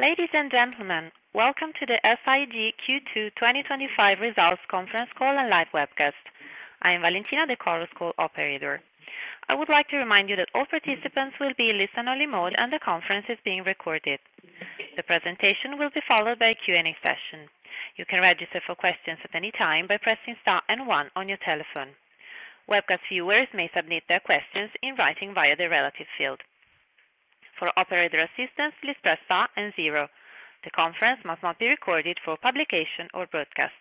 Ladies and gentlemen, welcome to the SIG Q2 2025 results conference call and live webcast. I am Valentina de Carlos, Call Operator. I would like to remind you that. All participants will be in listen-only mode and the conference is being recorded. The presentation will be followed by a Q&A session. You can register for questions at any time by pressing star and one on your telephone. Webcast viewers may submit their questions in writing via the relevant field. For operator assistance, please press star and zero. The conference must not be recorded for publication or broadcast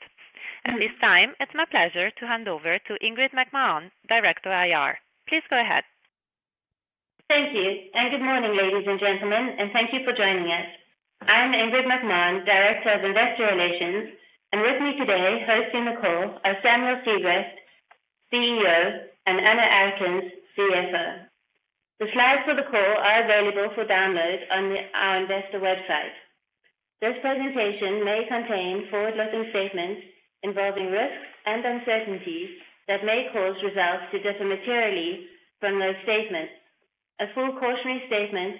at this time. It's my pleasure to hand over to Ingrid McMahon, Director of Investor Relations. Please go ahead. Thank you and good morning ladies and gentlemen and thank you for joining us. I'm Ingrid McMahon, Director of Investor Relations and with me today hosting the call are Samuel Sigrist, CEO, and Anne Erkens, CFO. The slides for the call are available for download on our investor website. This presentation may contain forward-looking statements involving risks and uncertainties that may cause results to differ materially from those statements. A full cautionary statement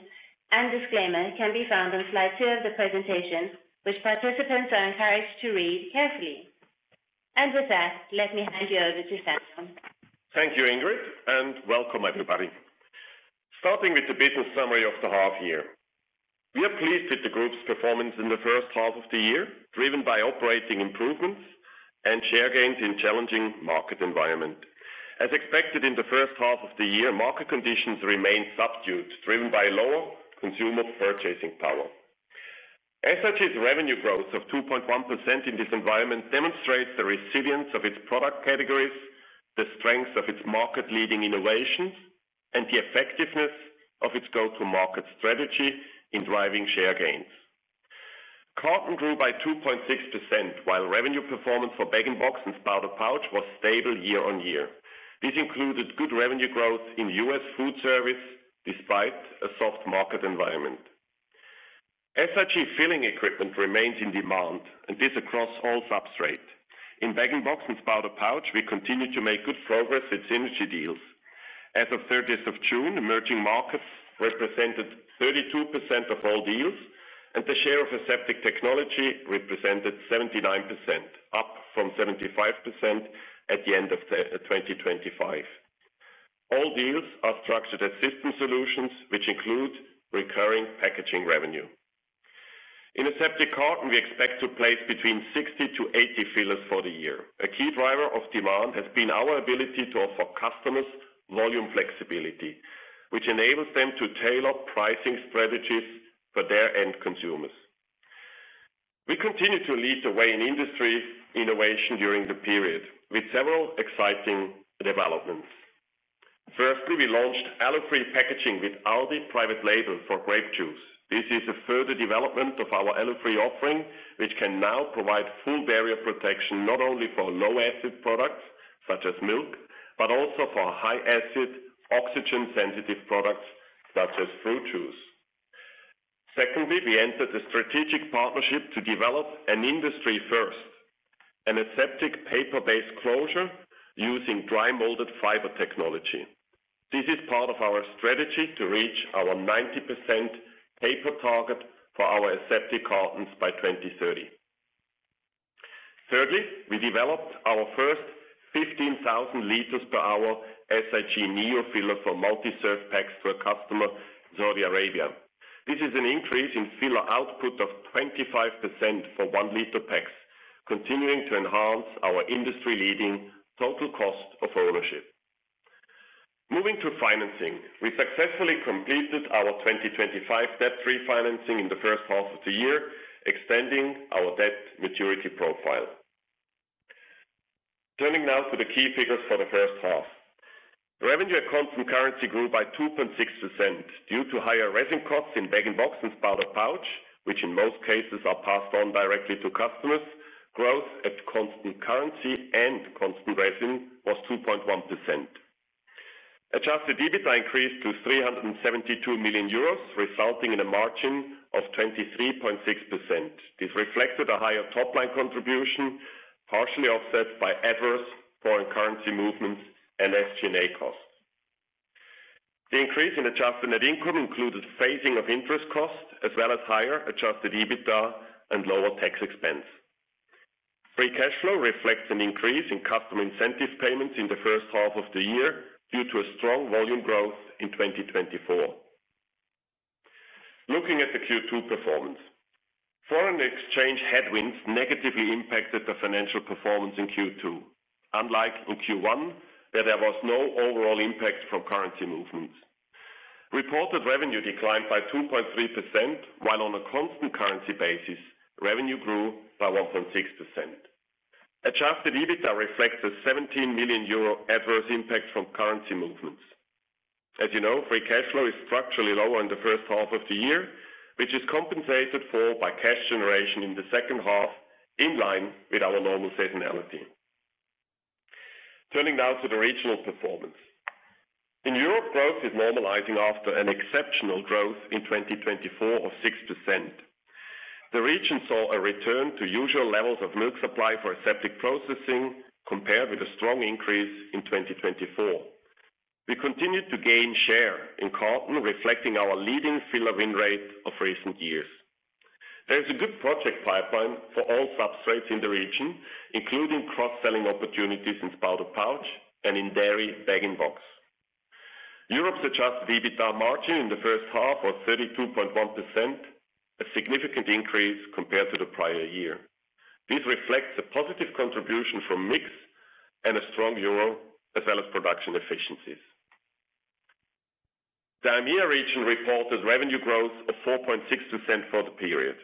and disclaimer can be found on slide 2 of the presentation, which participants are encouraged to read carefully. With that, let me hand you over to Samuel. Thank you Ingrid and welcome everybody. Starting with the business summary of the half year, we are pleased with the group's performance in the first half of the year, driven by operating improvements and share gains in a challenging market environment. As expected in the first half of the year, market conditions remain subdued, driven by lower consumer purchasing power. SIG's revenue growth of 2.1% in this environment demonstrates the resilience of its product categories, the strength of its market-leading innovations, and the effectiveness of its go-to-market strategy in driving share gains. Carton grew by 2.6%, while revenue performance for bag-in-box and spouted pouch was stable year-on-year. This included good revenue growth in U.S. Food Service. Despite a soft market environment, SIG filling equipment remains in demand, and this is across all substrate in bag-in-box and spouted pouch. We continue to make good progress in synergy deals. As of June 30, emerging markets represented 32% of all deals, and the share of aseptic technology represented 79%, up from 75% at the end of 2025. All deals are structured as system solutions, which include recurring packaging revenue. In aseptic carton, we expect to place between 60 filler-80 filler for the year. A key driver of demand has been our ability to offer customers volume flexibility, which enables them to tailor pricing strategies for their end consumers. We continue to lead the way in industry innovation during the period with several exciting developments. Firstly, we launched alu-free packaging with Aldi private label for grape juice. This is a further development of our alu-free offering, which can now provide full barrier protection not only for low acid products such as milk but also for high acid oxygen-sensitive products such as fruit juice. Secondly, we entered a strategic partnership to develop an industry first, an aseptic paper-based closure using dry molded fiber technology. This is part of our strategy to reach our 90% paper target for our aseptic cartons by 2030. Thirdly, we developed our first 15,000 L/h SIG Neo filler for multi-serve packs to a customer in Saudi Arabia. This is an increase in filler output of 25% for 1 L packs, continuing to enhance our industry-leading total cost of ownership. Moving to financing, we successfully completed our 2025 debt refinancing in the first half of the year, extending our debt maturity profile. Turning now to the key figures for the first half, revenue at constant currency grew by 2.6% due to higher resin costs in bag-in-box and spouted pouch which in most cases are passed on directly to customers. Growth at constant currency and constant resin was 2.1%. Adjusted EBITDA increased to 372 million euros, resulting in a margin of 23.6%. This reflected a higher top line contribution, partially offset by adverse foreign currency movements and SG&A costs. The increase in adjusted net income included phasing of interest cost as well as higher adjusted EBITDA and lower tax expense. Free cash flow reflects an increase in customer incentive payments in the first half of the year due to strong volume growth in 2024. Looking at the Q2 performance, foreign exchange headwinds negatively impacted the financial performance in Q2. Unlike in Q1, where there was no overall impact from currency movements, reported revenue declined by 2.3% while on a constant currency basis revenue grew by 1.6%. Adjusted EBITDA reflects a 17 million euro adverse impact from currency movements. As you know, free cash flow is structurally lower in the first half of the year, which is compensated for by cash generation in the second half in line with our normal seasonality. Turning now to the regional performance in Europe, growth is normalizing. After exceptional growth in 2024 of 6%, the region saw a return to usual levels of milk supply for aseptic processing compared with a strong increase in 2024. We continued to gain share in carton, reflecting our leading filler win rate of recent years. There is a good project pipeline for all substrates in the region, including cross-selling opportunities in spouted pouch and in dairy bag-in-box. Europe's adjusted EBITDA margin in the first half was 32.1%, a significant increase compared to the prior year. This reflects a positive contribution from mix and a strong euro as well as production efficiencies. The EMEA region reported revenue growth of 4.6% for the period.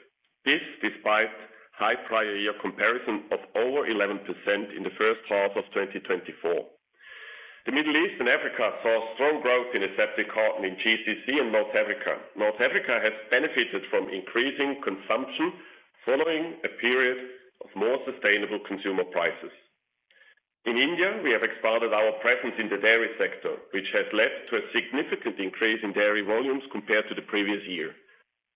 This is despite a high prior year comparison of over 11% in the first half of 2024. The Middle East and Africa saw strong growth in aseptic carton in GCC and North Africa. North Africa has benefited from increasing consumption following a period of more sustainable consumer prices. In India, we have expanded our presence in the dairy sector, which has led to a significant increase in dairy volumes compared to the previous year.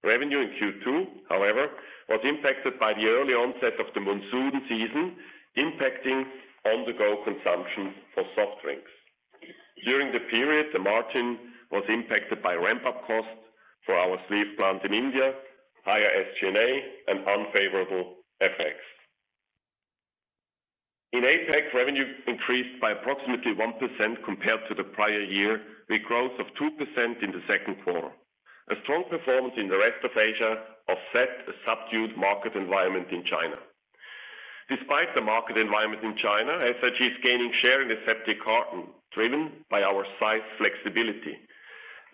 Revenue in Q2, however, was impacted by the early onset of the monsoon season impacting on the on-the-go consumption for soft drinks. During the period, the margin was impacted by ramp-up cost for our sleeve plant in India, higher SG&A, and unfavorable FX in APEC. Revenue increased by approximately 1% compared to the prior year, with growth of 2% in the second quarter. A strong performance in the rest of Asia offset a subdued market environment in China. Despite the market environment in China, SIG is gaining share in the aseptic carton driven by our size flexibility.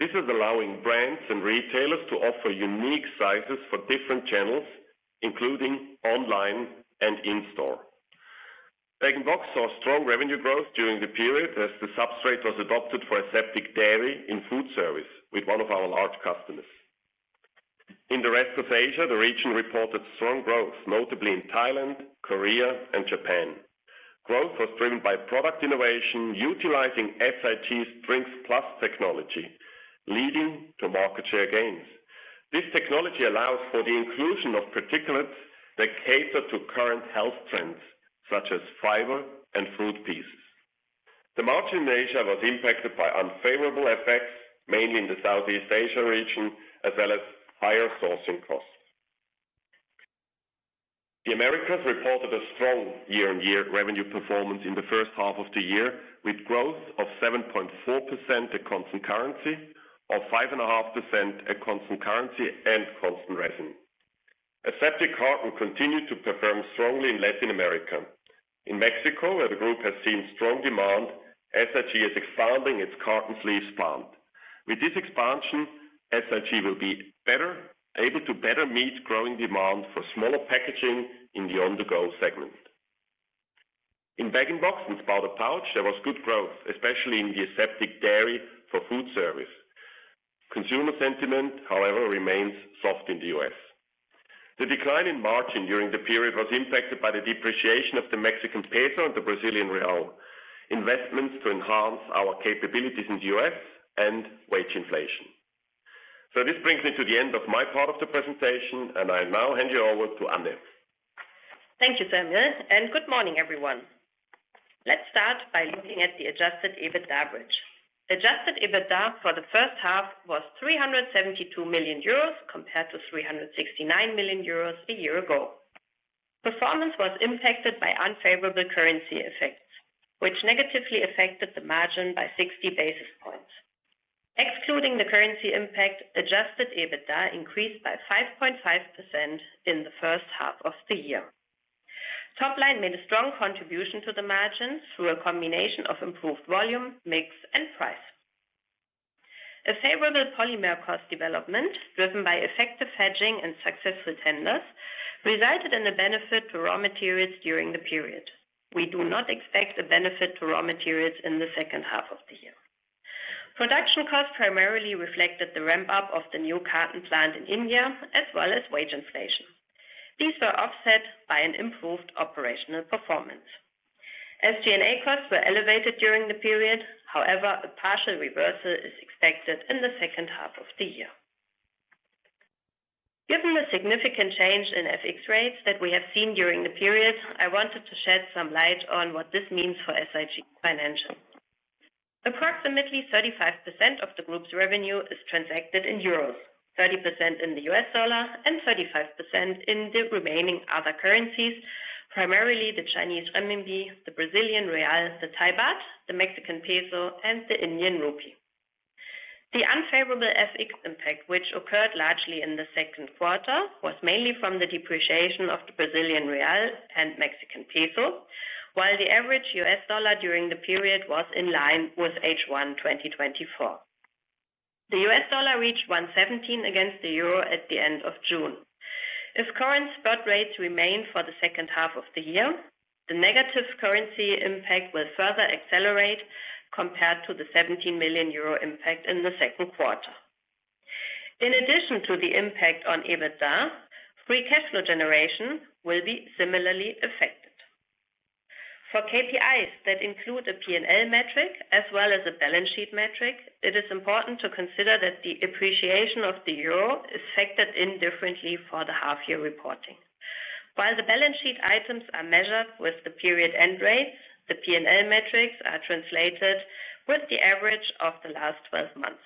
This is allowing brands and retailers to offer unique sizes for different channels, including online and in-store. bag-in-box saw strong revenue growth during the period as the substrate was adopted for aseptic dairy in food service with one of our large customers. In the rest of Asia, the region reported strong growth, notably in Thailand, Korea, and Japan. Growth was driven by product innovation utilizing SIG Drinksplus technology, leading to market share gains. This technology allows for the inclusion of particulates that cater to current health trends such as fiber and fruit pieces. The margin in Asia was impacted by unfavorable FX, mainly in the Southeast Asia region, as well as higher sourcing costs. The Americas reported a strong year-on-year revenue performance in the first half of the year, with growth of 7.4% at constant currency or 5.5% at constant currency and constant resin. Aseptic carton continued to perform strongly in Latin America. In Mexico, where the group has seen strong demand, SIG is expanding its carton sleeve plant. With this expansion, SIG will be able to better meet growing demand for smaller packaging. In the on-the-go segment in bag-in-box and spouted pouch, there was good growth, especially in the aseptic dairy for food service. Consumer sentiment, however, remains soft in the U.S. The decline in margin during the period was impacted by the depreciation of the Mexican Peso and the Brazilian Real, investments to enhance our capabilities in the U.S., and wage inflation. This brings me to the end of my part of the presentation, and I now hand you over to Anders. Thank you, Samuel, and good morning, everyone. Let's start by looking at the adjusted EBITDA bridge. Adjusted EBITDA for the first half was 372 million euros compared to 369 million euros a year ago. Performance was impacted by unfavorable currency effects, which negatively affected the margin by 60 basis points. Excluding the currency impact, adjusted EBITDA increased by 5.5% in the first half of the year. Top line made a strong contribution to the margin through a combination of improved volume mix and price. A favorable polymer cost development driven by effective hedging and successful tenders resulted in the benefit to raw materials during the period. We do not expect a benefit to raw materials in the second half of the year. Production costs primarily reflected the ramp-up of the new carton plant in India as well as wage inflation. These were offset by an improved operational performance. SG&A costs were elevated during the period. However, a partial reversal is expected in the second half of the year. Given the significant change in FX rates that we have seen during the period, I wanted to shed some light on what this means for SIG Financial. Approximately 35% of the group's revenue is transacted in euros, 30% in the U.S. dollar, and 35% in the remaining other currencies, primarily the Chinese Renminbi, the Brazilian Real, the Thai Baht, the Mexican Peso, and the Indian Rupee. The unfavorable FX impact, which occurred largely in the second quarter, was mainly from the depreciation of the Brazilian Real and Mexican Peso. While the average U.S. dollar during the period was in line with H1 2024, the U.S. dollar reached 1.17 against the Euro at the end of June. If current spot rates remain for the second half of the year, the negative currency impact will further accelerate compared to the 17 million euro impact in the second quarter. In addition to the impact on EBITDA, free cash flow generation will be similarly affected. For KPIs that include a P&L metric as well as a balance sheet metric, it is important to consider that the appreciation of the euro is factored in differently for the half-year reporting. While the balance sheet items are measured with the period-end rates, the P&L metrics are translated with the average of the last 12 months.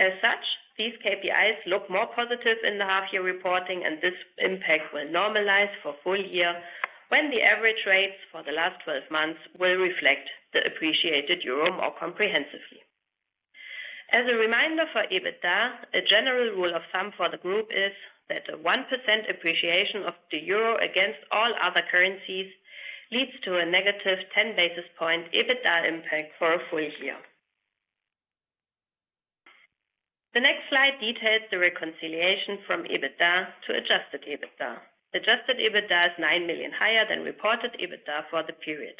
As such, these KPIs look more positive in the half-year reporting, and this impact will normalize for full year when the average rates for the last 12 months will reflect the appreciated euro more comprehensively. As a reminder for EBITDA, a general rule of thumb for the group is that a 1% appreciation of the Euro against all other currencies leads to a -10 basis point EBITDA impact for a full year. The next slide details the reconciliation from EBITDA to adjusted EBITDA. Adjusted EBITDA is 9 million higher than reported EBITDA for the period.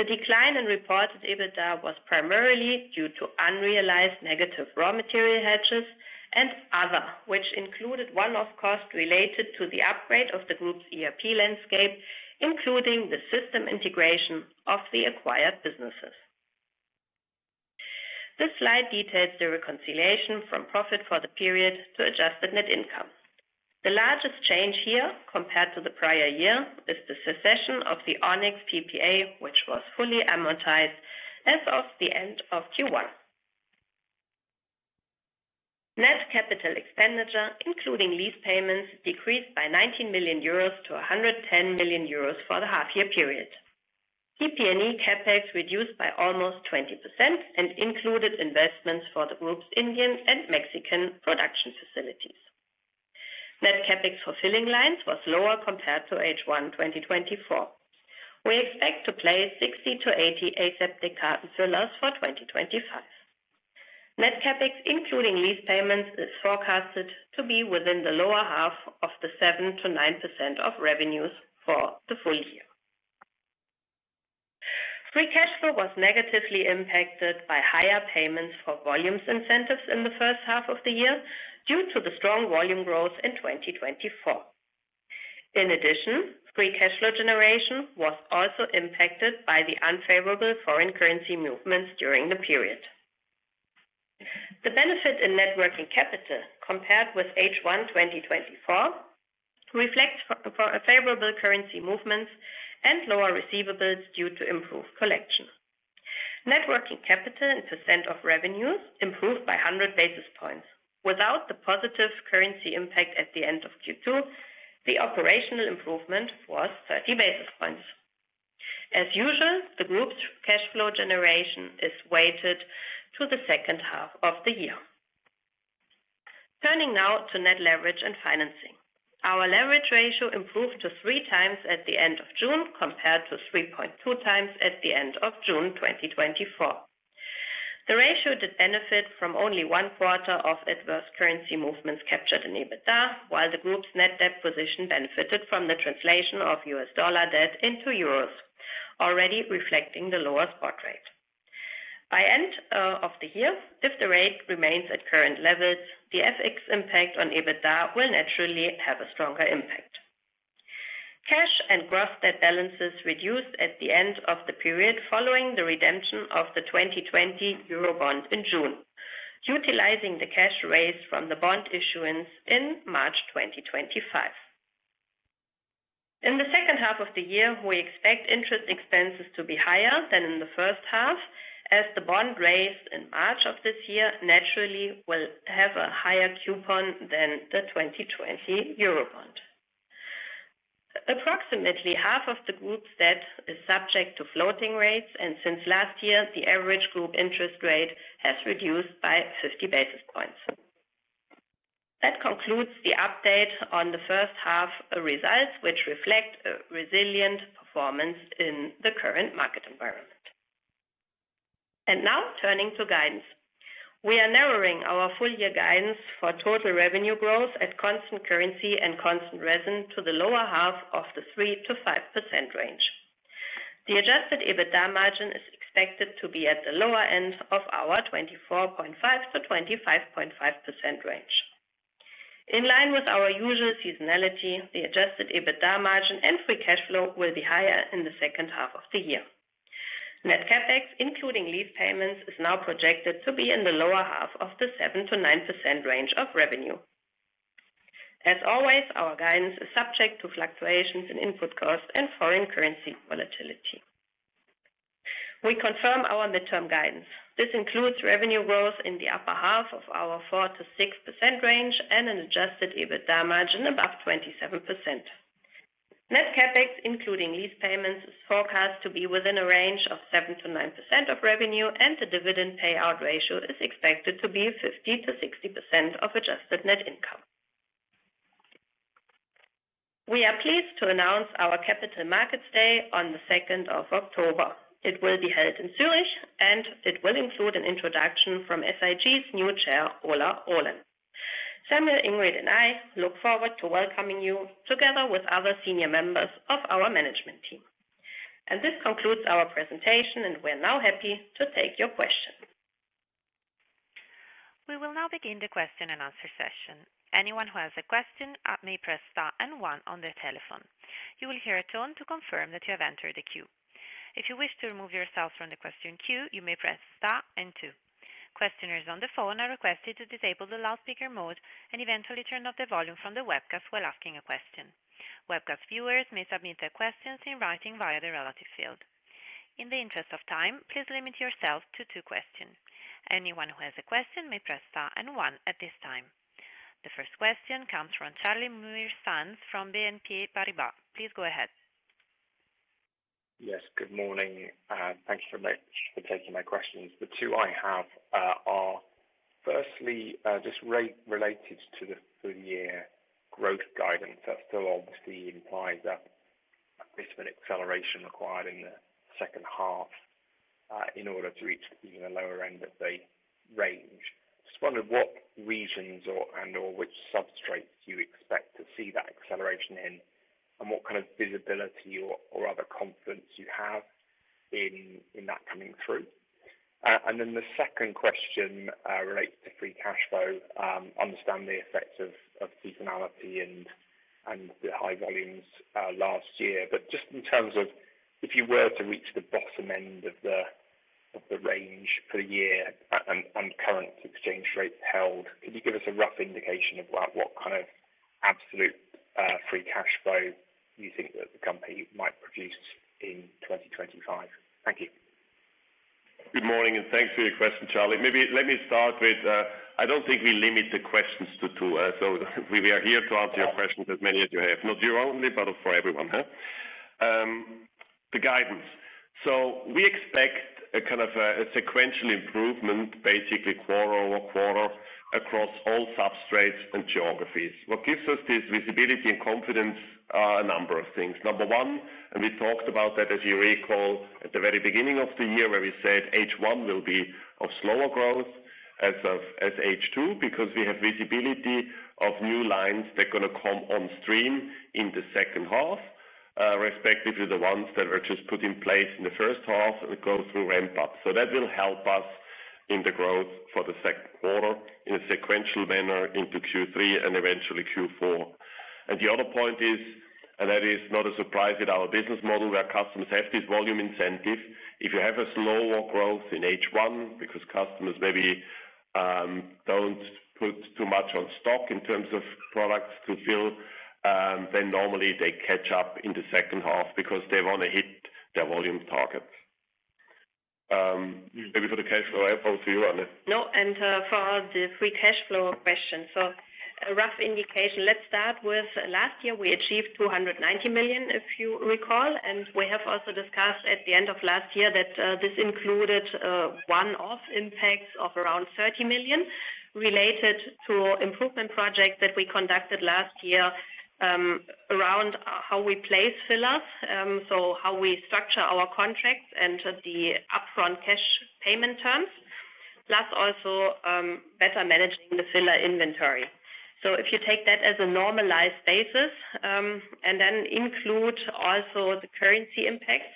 The decline in reported EBITDA was primarily due to unrealized negative raw material hedges and other, which included one-off costs related to the upgrade of the group's ERP landscape, including the system integration of the acquired businesses. This slide details the reconciliation from profit for the period to adjusted net income. The largest change here compared to the prior year is the cessation of the Onyx PPA, which was fully amortized as of the end of Q1. Net capital expenditure, including lease payments, decreased by 19 million-110 million euros for the half-year period. EP&E CapEx reduced by almost 20% and included investments for the group's Indian and Mexican production facilities. Net CapEx for filling lines was lower compared to H1 2024. We expect to place 60-80 aseptic carton fillers for 2025. Net CapEx, including lease payments, is forecasted to be within the lower half of the 7% to 9% of revenues for the full year. Free cash flow was negatively impacted by higher payments for volume incentives in the first half of the year due to the strong volume growth in 2024. In addition, free cash flow generation was also impacted by the unfavorable foreign currency movements during the period. The benefit in net working capital compared with H1 2024 reflects favorable currency movements and lower receivables due to improved collection. Net working capital in percent of revenues improved by 100 basis points without the positive currency impact. At the end of Q2, the operational improvement was 30 basis points. As usual, the group's cash flow generation is weighted to the second half of the year. Turning now to net leverage and financing, our leverage ratio improved to 3x at the end of June compared to 3.2x at the end of June 2024. The ratio did benefit from only one quarter of adverse currency movements captured in EBITDA, while the group's net debt position benefited from the translation of U.S. dollar debt into euros already reflecting the lower spot rate by end of the year. If the rate remains at current levels, the FX impact on EBITDA will naturally have a stronger impact. Cash and gross debt balances reduced at the end of the period following the redemption of the 2020 Euro bond in June, utilizing the cash raised from the bond issuance in March 2025. In the second half of the year we expect interest expenses to be higher than in the first half as the bond raised of this year naturally will have a higher coupon than the 2020 Euro bond. Approximately half of the group's debt is subject to floating rates and since last year the average group interest rate has reduced by 50 basis points. That concludes the update on the first half results which reflect a resilient performance in the current market environment. Now turning to guidance, we are narrowing our full year guidance for total revenue growth at constant currency and constant resin to the lower half of the 3%-5% range. The adjusted EBITDA margin is expected to be at the lower end of our 24.5%-25.5% range, in line with our usual seasonality. The adjusted EBITDA margin and free cash flow will be higher in the second half of the year. Net CapEx, including lease payments, is now projected to be in the lower half of the 7%-9% range of revenue. As always, our guidance is subject to fluctuations in input cost and foreign currency volatility. We confirm our mid term guidance. This includes revenue growth in the upper half of our 4%-6% range and an adjusted EBITDA margin above 27%. Net CapEx, including lease payments, is forecast to be within a range of 7%-9% of revenue and the dividend payout ratio is expected to be 50%-60% of adjusted net income. We are pleased to announce our Capital Markets Day on October 2. It will be held in Zurich and it will include an introduction from SIG's new Chair, Ola Rollén. Samuel, Ingrid and I look forward to welcoming you together with other senior members of our management team and this concludes our presentation and we're now happy to take your questions. We will now begin the question and answer session. Anyone who has a question may press star and one on their telephone. You will hear a tone to confirm that you have entered the queue. If you wish to remove yourselves from the question queue, you may press. Questioners on the phone are requested to disable the loudspeaker mode and eventually turn off the volume from the webcast while asking a question. Webcast viewers may submit their questions in writing via the relative field. In the interest of time, please limit yourself to two questions. Anyone who has a question may press star and one at this time. The first question comes from Charlie Muir-Sands from BNP Paribas. Please go ahead. Yes, good morning. Thank you so much for taking my questions. The two I have are firstly just related to the full year growth guidance that still obviously implies a bit of an acceleration required in the second half in order to reach even the lower end of the range. I just wondered what regions and or which substrate you expect to see that acceleration in and what kind of visibility or other confidence you have in that coming through. The second question relates to free cash flow. I understand the effects of seasonality and the high volumes last year, but just in terms of if you were to reach the bottom end of the range for the year and current exchange rates held, could you give us a rough indication of what kind of absolute free cash flow you think that the company might produce in 2025? Thank you. Good morning and thanks for your question. Charlie, maybe let me start with I don't think we limit the questions to two. We are here to answer your questions, as many as you have. Not you only, but for everyone, the guidance. We expect a kind of a sequential improvement, basically quarter-over-quarter across all substrates and geographies. What gives us this visibility and confidence are a number of things. Number one, and we talked about that as you recall at the very beginning of the year where we said H1 will be of slower growth as H2 because we have visibility of new lines that are going to come on stream in the second half, respectively the ones that were just put in place in the first half and go through ramp-up. That will help us in the growth for the second quarter in a sequential manner into Q3 and eventually Q4. The other point is, and that is not a surprise in our business model where customers have this volume incentive. If you have a slower growth in H1 because customers maybe don't put too much on stock in terms of products to fill, then normally they catch up in the second half because they want to hit their volume targets. Maybe for the cash flow over to you, Anna. For the free cash flow question, a rough indication, let's start with last year. We achieved 290 million, if you recall. We have also discussed at the end of last year that this included one-off impacts of around 30 million related to an improvement project that we conducted last year, around how we place fillers, how we structure our contracts and the upfront cash payment terms, plus also better managing the filler inventory. If you take that as a normalized basis and then include also the currency impacts,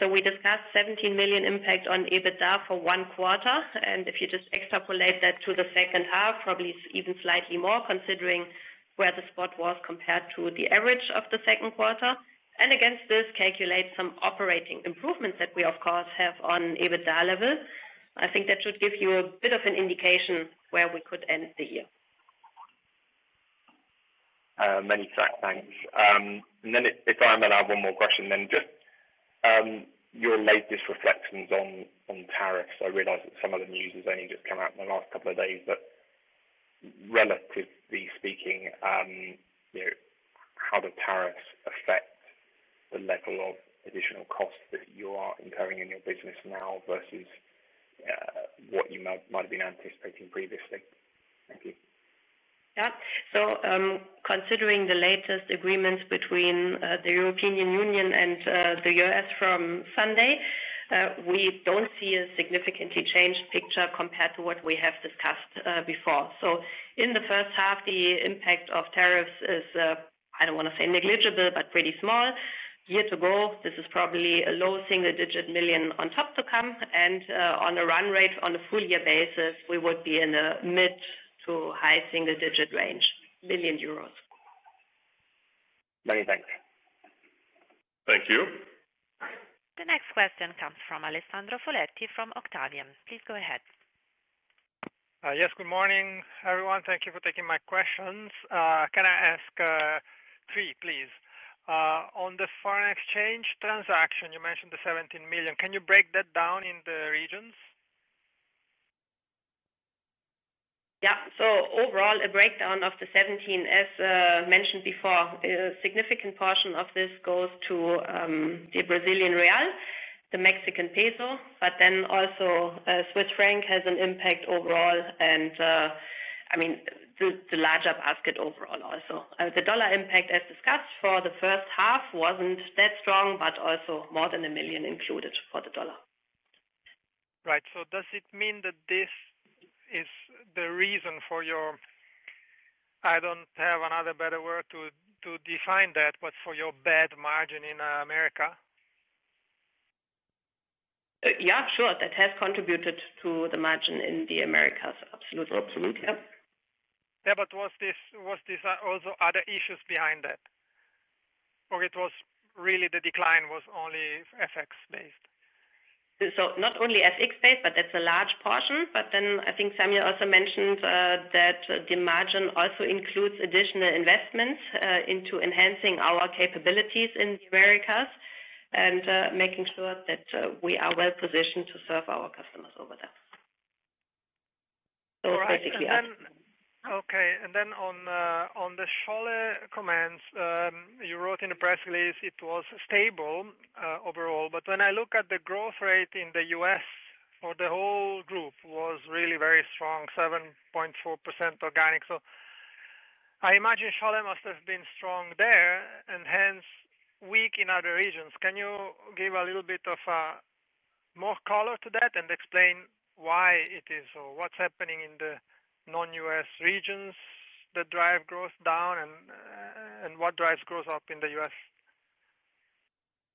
we discussed 17 million impact on adjusted EBITDA for one quarter. If you just extrapolate that to the second half, probably even slightly more, considering where the spot was compared to the average of the second quarter, and against this, calculate some operating improvements that we of course have on adjusted EBITDA level, I think that should give you a bit of an indication where we could end the year. Many thanks. If I may have one more question, just your latest reflections on tariffs. I realize that some of the news has only just come out in the last couple of days. Relatively speaking, how do the tariffs affect the level of additional costs that you are incurring in your business now versus what you might have been anticipating previously? Thank you. Considering the latest agreements between the European Union and the U.S. from Sunday, we don't see a significantly changed picture compared to what we have today discussed before. In the first half, the impact of tariffs is, I don't want to say negligible, but pretty small year to go. This is probably a low single-digit million on top to come. On a run rate on a full-year basis, we would be in a mid to high single-digit range, million Euros. Many thanks. Thank you. The next question comes from Alessandro Foletti from Octavian. Please go ahead. Yes, good morning everyone. Thank you for taking my questions. Can I ask three please? On the foreign exchange transaction, you mentioned the 17 million. Can you break that down in the regions? Overall, a breakdown of the 17, as mentioned before, a significant portion of this goes to the Brazilian Real, the Mexican Peso, but then also Swiss Franc has an impact overall, and the larger basket overall. Also, the dollar impact as discussed for the first half wasn't that strong, but also more than 1 million included for the dollar. Right. Does it mean that this is the reason for your, I don't have another better word to define that, but for your bad margin in America? Yeah, sure. That has contributed to the margin in the Americas. Absolutely. Yeah. Was this also other issues behind that, or was the decline only FX based? Not only FX based, but that's a large portion. I think Samuel also mentioned that the margin also includes additional investment into enhancing our capabilities in the Americas and making sure that we are well positioned to serve our customers over there. Okay. On the Sholle comments you wrote in the press release, it was stable overall, but when I look at the growth rate in the U.S. for the whole group, it was really very strong, 7.4% organic. I imagine Sholle must have been strong there and hence weak in other regions. Can you give a little bit more color to that and explain why it is or what's happening in the non-U.S. regions that drive growth down and what drives growth up in the U.S.?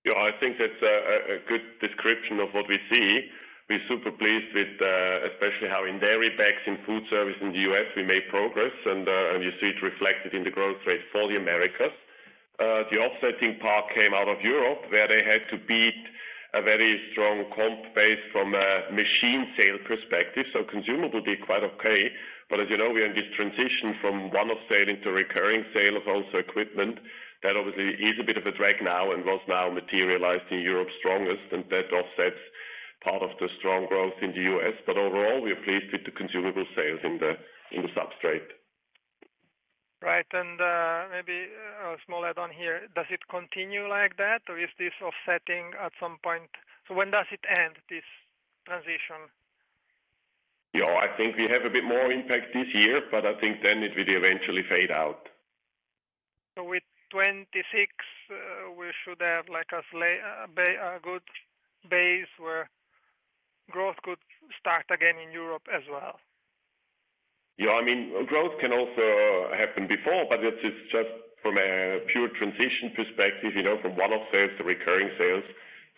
Yeah, I think that's a good description of what we see. We're super pleased with especially how in dairy, bag-in-box, and food service in the U.S. we made progress, and you see it reflected in the growth rate for the Americas. The offsetting part came out of Europe, where they had to beat a very strong comp base from a machine sale perspective. Consumables did quite okay. As you know, we are in this transition from one-off sale into recurring sale of also equipment that obviously is a bit of a drag now and was now materialized in Europe's strongest, and that offsets part of the strong growth in the U.S. Overall, we are pleased with the consumable sales in the substrate. Right. Maybe a small add on here. Does it continue like that, or is this offsetting at some point? When does it end, this transition? I think we have a bit more impact this year, but I think it will eventually fade out. With 2026 we should have like a slight good base where growth could start again in Europe as well. Yeah, I mean growth can also happen before, but it's just from a pure transition perspective, you know, from one-off sales to recurring sales.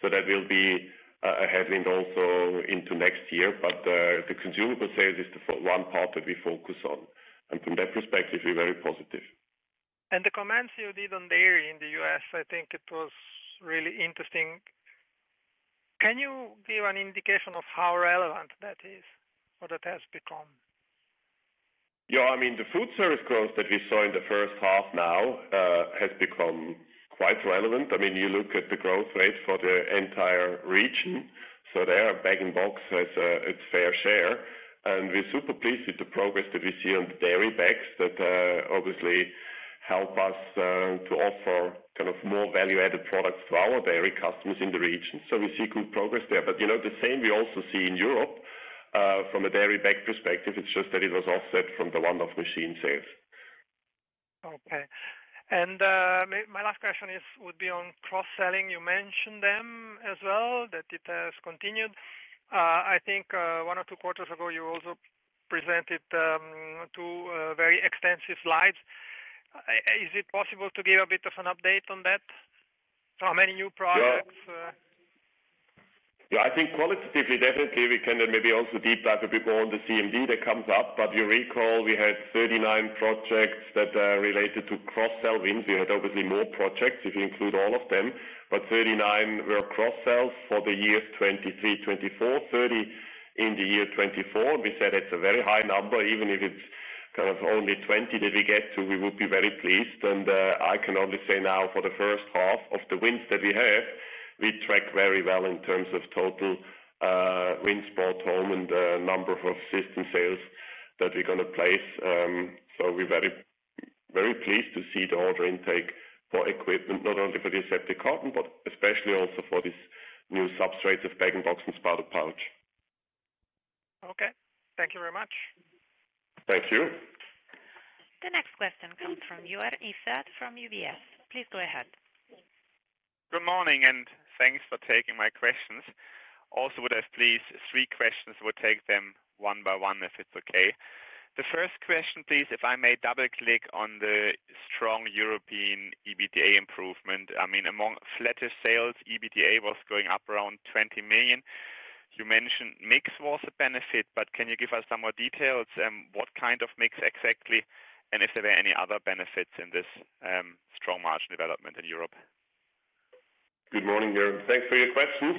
That will be a headwind also into next year. The consumable sales is the one part that we focus on, and from that perspective we're very positive. The comments you made on dairy in the U.S. I think it was really interesting. Can you give an indication of how relevant that is or that has become? Yeah, I mean the food service growth that we saw in the first half now has become quite relevant. I mean you look at the growth rate for the entire region. bag-in-box has its fair share, and we're super pleased with the progress that we see on dairy bags that obviously help us to offer kind of more value-added products to our dairy customers in the region. We see good progress there. You know, the same we also see in Europe from a dairy bag perspective. It's just that it was offset from the one-off machine sales. Okay. My last question would be on cross-selling. You mentioned them as well, that it has continued I think one or two quarters ago. You also presented two very extensive slides. Is it possible to give a bit of an update on that? How many new products? Yeah, I think qualitatively, definitely we can maybe also deep dive a bit more on the CMD that comes up. You recall we had 39 projects that related to cross-selling wins. We had obviously more projects if you include all of them. 39 were cross-selling for the year 2023, 24, 30 in the year 2024. It's a very high number. Even if it's kind of only 20 that we get to, we would be very pleased. I can only say now for the first half of the wins that we have, we track very well in terms of total wins, spot on and number of system sales that we're going to place. We're very, very pleased to see the order intake for equipment not only for the aseptic carton, but especially also for these new substrates of bag-in-box and spouted pouch. Okay, thank you very much. Thank you. The next question comes from Joern Iffert from UBS. Please go ahead. Good morning and thanks for taking my questions. Also, I would have please three questions. We'll take them one by one if it's okay. The first question, please, if I may double click on the strong European EBITDA improvement. I mean among flattish sales, EBITDA was going up around 20 million. You mentioned mix was a benefit, but can you give us some more details? What kind of mix exactly, and if there were any other benefits in this strong margin development in Europe. Good morning, Joern, thanks for your question.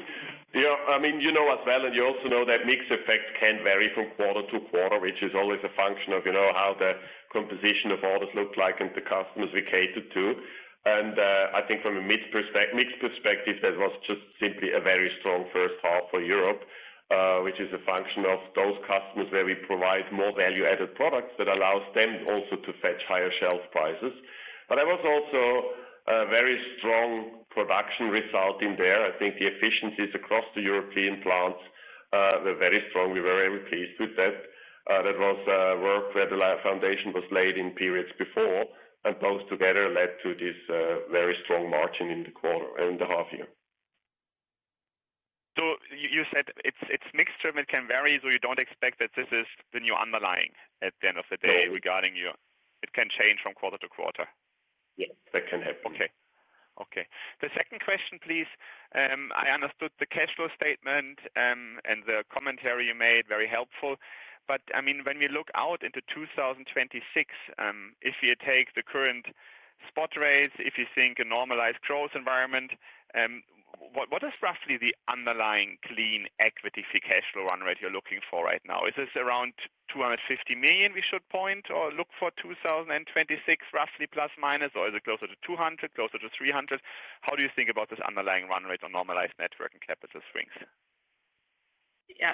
You know as well, and you also know that mix effect can vary from quarter to quarter, which is always a function of how the composition of orders look like and the customers we cater to. I think from a mix perspective, that was just simply a very strong first half for Europe, which is a function of those customers where we provide more value-added products that allows them also to fetch higher shelf prices. There was also a very strong production result in there. I think the efficiencies across the European plants were very strong. We were very pleased with that. That was work where the foundation was laid in periods before, and those together led to this very strong margin in the quarter in the half year. You said it's mixed trim, it can vary. You don't expect that this is the new underlying at the end of the day regarding your it can change from quarter-to-quarter? es, that can happen. Okay. Okay, the second question please. I understood the cash flow statement and the commentary you made, very helpful. When we look out into 2026, if you take the current spot rates, if you think a normalized growth environment, what is roughly the underlying clean equity free cash flow run rate you're looking for right now? Is this around 250 million we should point or look for 2026 roughly ±, or is it closer to 200 million, closer to 300 million? How do you think about this underlying run rate on normalized net working capital swings? Yeah,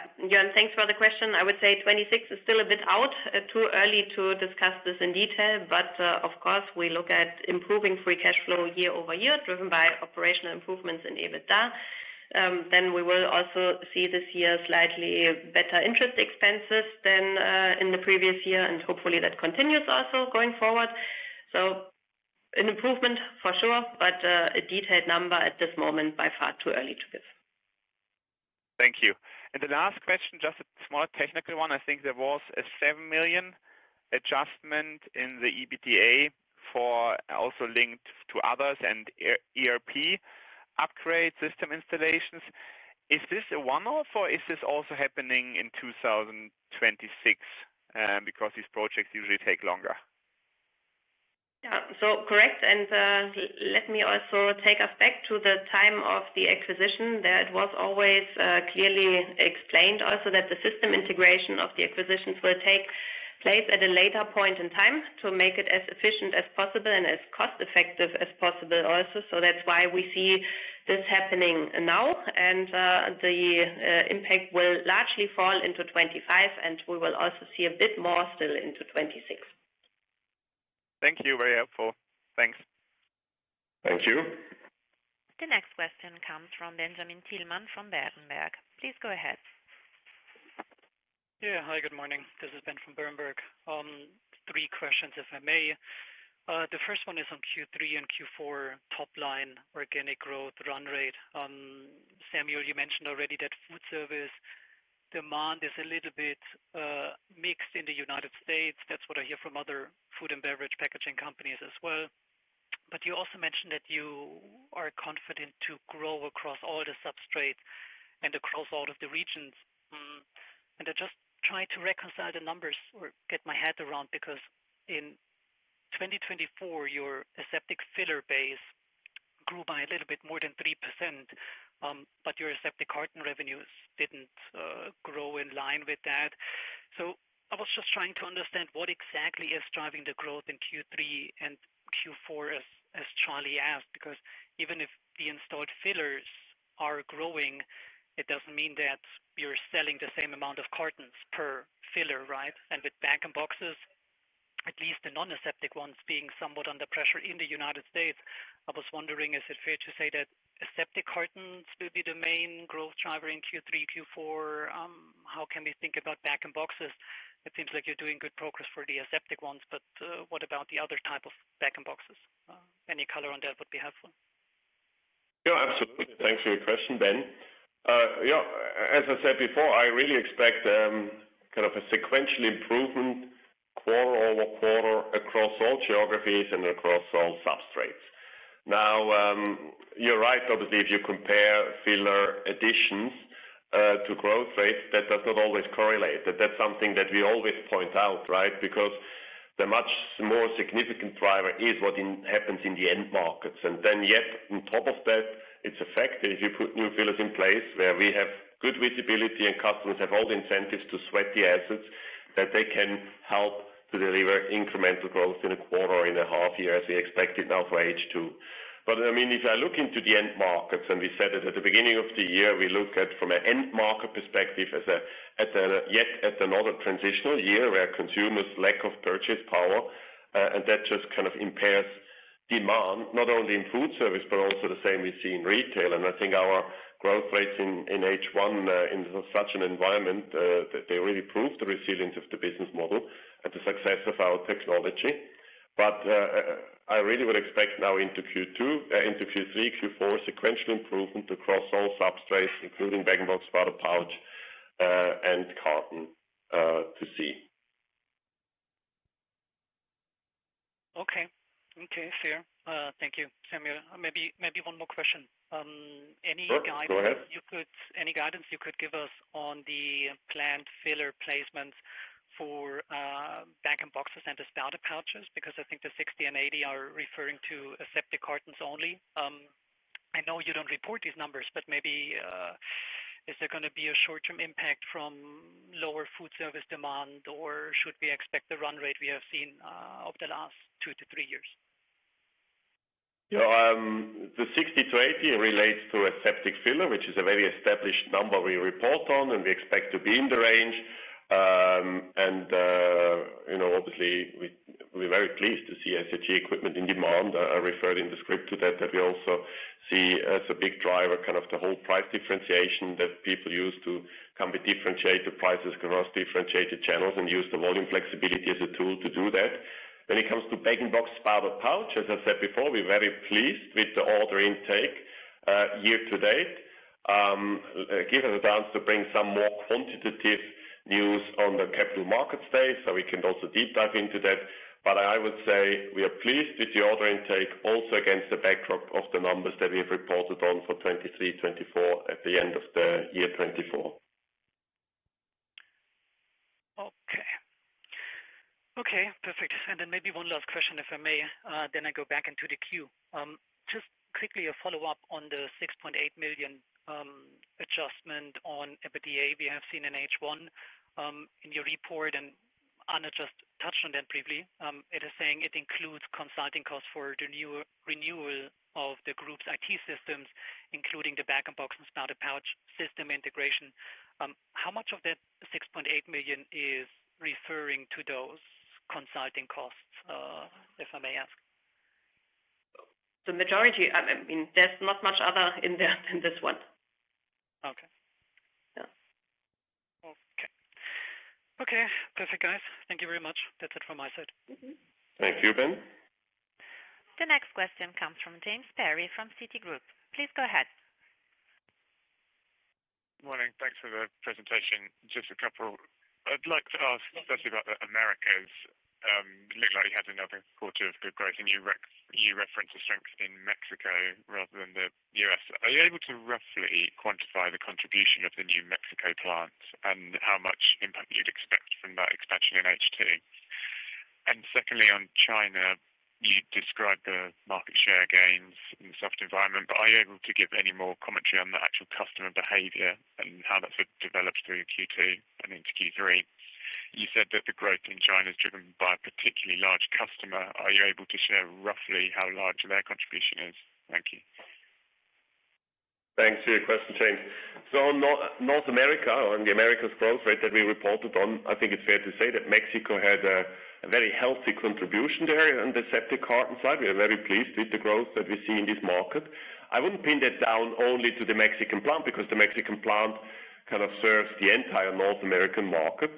thanks for the question. I would say 2026 is still a bit out too early to discuss this in detail. Of course, we look at it improving free cash flow year-over-year driven by operational improvements in EBITDA. We will also see this year slightly better interest expenses than in the previous year, and hopefully that continues also going forward. An improvement for sure, but a detailed number at this moment is by far too early to give. Thank you. The last question, just a small technical one. I think there was a 7 million adjustment in the EBITDA also linked to others and ERP upgrade system installations. Is this a one off or is this also happening in 2026? Because these projects usually take longer. Correct. Let me also take us back to the time of the acquisition there. It was always clearly expected also that the system integration of the acquisitions will take place at a later point in time to make it as efficient as possible and as cost effective as possible also. That's why we see this happening now. The impact will largely fall into 2025, and we will also see a bit more still into 2026. Thank you. Very helpful. Thanks. Thank you. The next question comes from Benjamin Thielmann from Berenberg. Please go ahead. Yeah, hi, good morning. This is Ben from Berenberg. Three questions if I may. The first one is on Q3 and Q4, top line organic growth run rate. Samuel, you mentioned already that food service demand is a little bit mixed in the U.S. That's what I hear from other food and beverage packaging companies as well. You also mentioned that you are confident to grow across all the substrates and across all of the regions. I just tried to reconcile the numbers or get my head around because in 2024 your aseptic filler base grew by a little bit more than 3%. Your aseptic carton revenues didn't grow in line with that. I was just trying to understand what exactly is driving the growth in Q3 and Q4, as Charlie asked. Even if the installed fillers are growing, it doesn't mean that you're selling the same amount of cartons per filler, right. With bag-in-box, at least the non-aseptic ones, being somewhat under pressure in the U.S., I was wondering, is it fair to say that aseptic cartons will be the main growth driver in Q3, Q4? How can we think about bag-in-box? It seems like you're doing good progress for the aseptic ones. What about the other type of bag-in-box? Any color on that would be helpful. Absolutely. Thanks for your question, Ben. As I said before, I really expect kind of a sequential improvement quarter-over-quarter across all geographies and across all substrates. Now you're right. Obviously if you compare filler additions to growth rates, that does not always correlate. That's something that we always point out, right, because the much more significant driver is what happens in the end markets. Yet on top of that, it's effective if you put new fillers in place where we have good visibility and customers have all the incentives to sweat the assets that they can help to deliver incremental growth in a quarter or in a half year as we expected now for H2. If I look into the end markets, and we said it at the beginning of the year, we look at from an end market perspective as yet another transitional year where consumers' lack of purchase power just kind of impairs demand not only in food service, but also the same we see in retail. I think our growth rates in H1 in such an environment really prove the resilience of the business model and the success of our technology. I really would expect now into Q2, into Q3, Q4, sequential improvement across all substrates including bag-in-box, bottle, pouch, and carton. Okay, okay, fair. Thank you, Samuel. Maybe one more question. Go ahead. Any guidance you could give us on the planned filler placements for vacuum boxes and the spouted pouches? Because I think the 60 and 80 are referring to aseptic carton only. I know you don't report these numbers, but maybe is there going to be a short term impact from lower food service demand or should we expect the run rate we have seen over the last two to three years? The 60 to 80 relates to aseptic filler, which is a very established number we report on, and we expect to be in the range. We're very pleased to see that equipment in demand. I referred in the script to that, that we also see as a big driver, kind of the whole price differentiation that people use to come with differentiated prices across differentiated channels and use the volume flexibility as a tool to do that when it comes to bag-in-box, powder, pouch. As I said before, we're very pleased with the order intake year to date. Give us a chance to bring some more quantitative news on the Capital Markets Day so we can also deep dive into that. I would say we are pleased with the order intake also against the backdrop of the numbers that we have reported on for 2023, 2024 at the end of the year 2024. Okay. Okay, perfect. Maybe one last question if I may. I go back into the queue. Just quickly, a follow-up on the 6.8 million adjustment on adjusted EBITDA we have seen in H1 in your report and Anna just touched on that briefly. It is saying it includes consulting costs for renewal of the group's IT systems, including the bag-in-box and spouted pouch system integration. How much of that 6.8 million is referring to those consulting costs, if I may ask? The majority. I mean there's not much other in there than this one. Okay. Okay, perfect guys. Thank you very much. That's it from my side. Thank you, Ben. The next question comes from James Perry from Citigroup. Please go ahead. Morning. Thanks for the presentation. Just a couple I'd like to ask, first about the Americas. Looked like you had another quarter of good growth, and you referenced the strength in Mexico rather than the U.S. Are you able to roughly quantify the contribution of the new Mexico plant and how much impact you'd expect from that expansion in it? Secondly, on China, you described the market share gains in the soft environment, but are you able to give any more commentary on the actual customer behavior and how that's developed through Q2 and into Q3? You said that the growth in China is driven by a particularly large customer. Are you able to share roughly how large their contribution is? Thank you. Thanks for your question, James. On North America, on the Americas growth rate that we reported on, I think it's fair to say that Mexico had a very healthy contribution there. On the aseptic carton side, we are very pleased with the growth that we see in this market. I wouldn't pin that down only to the Mexican plant because the Mexican plant kind of serves the entire North American market,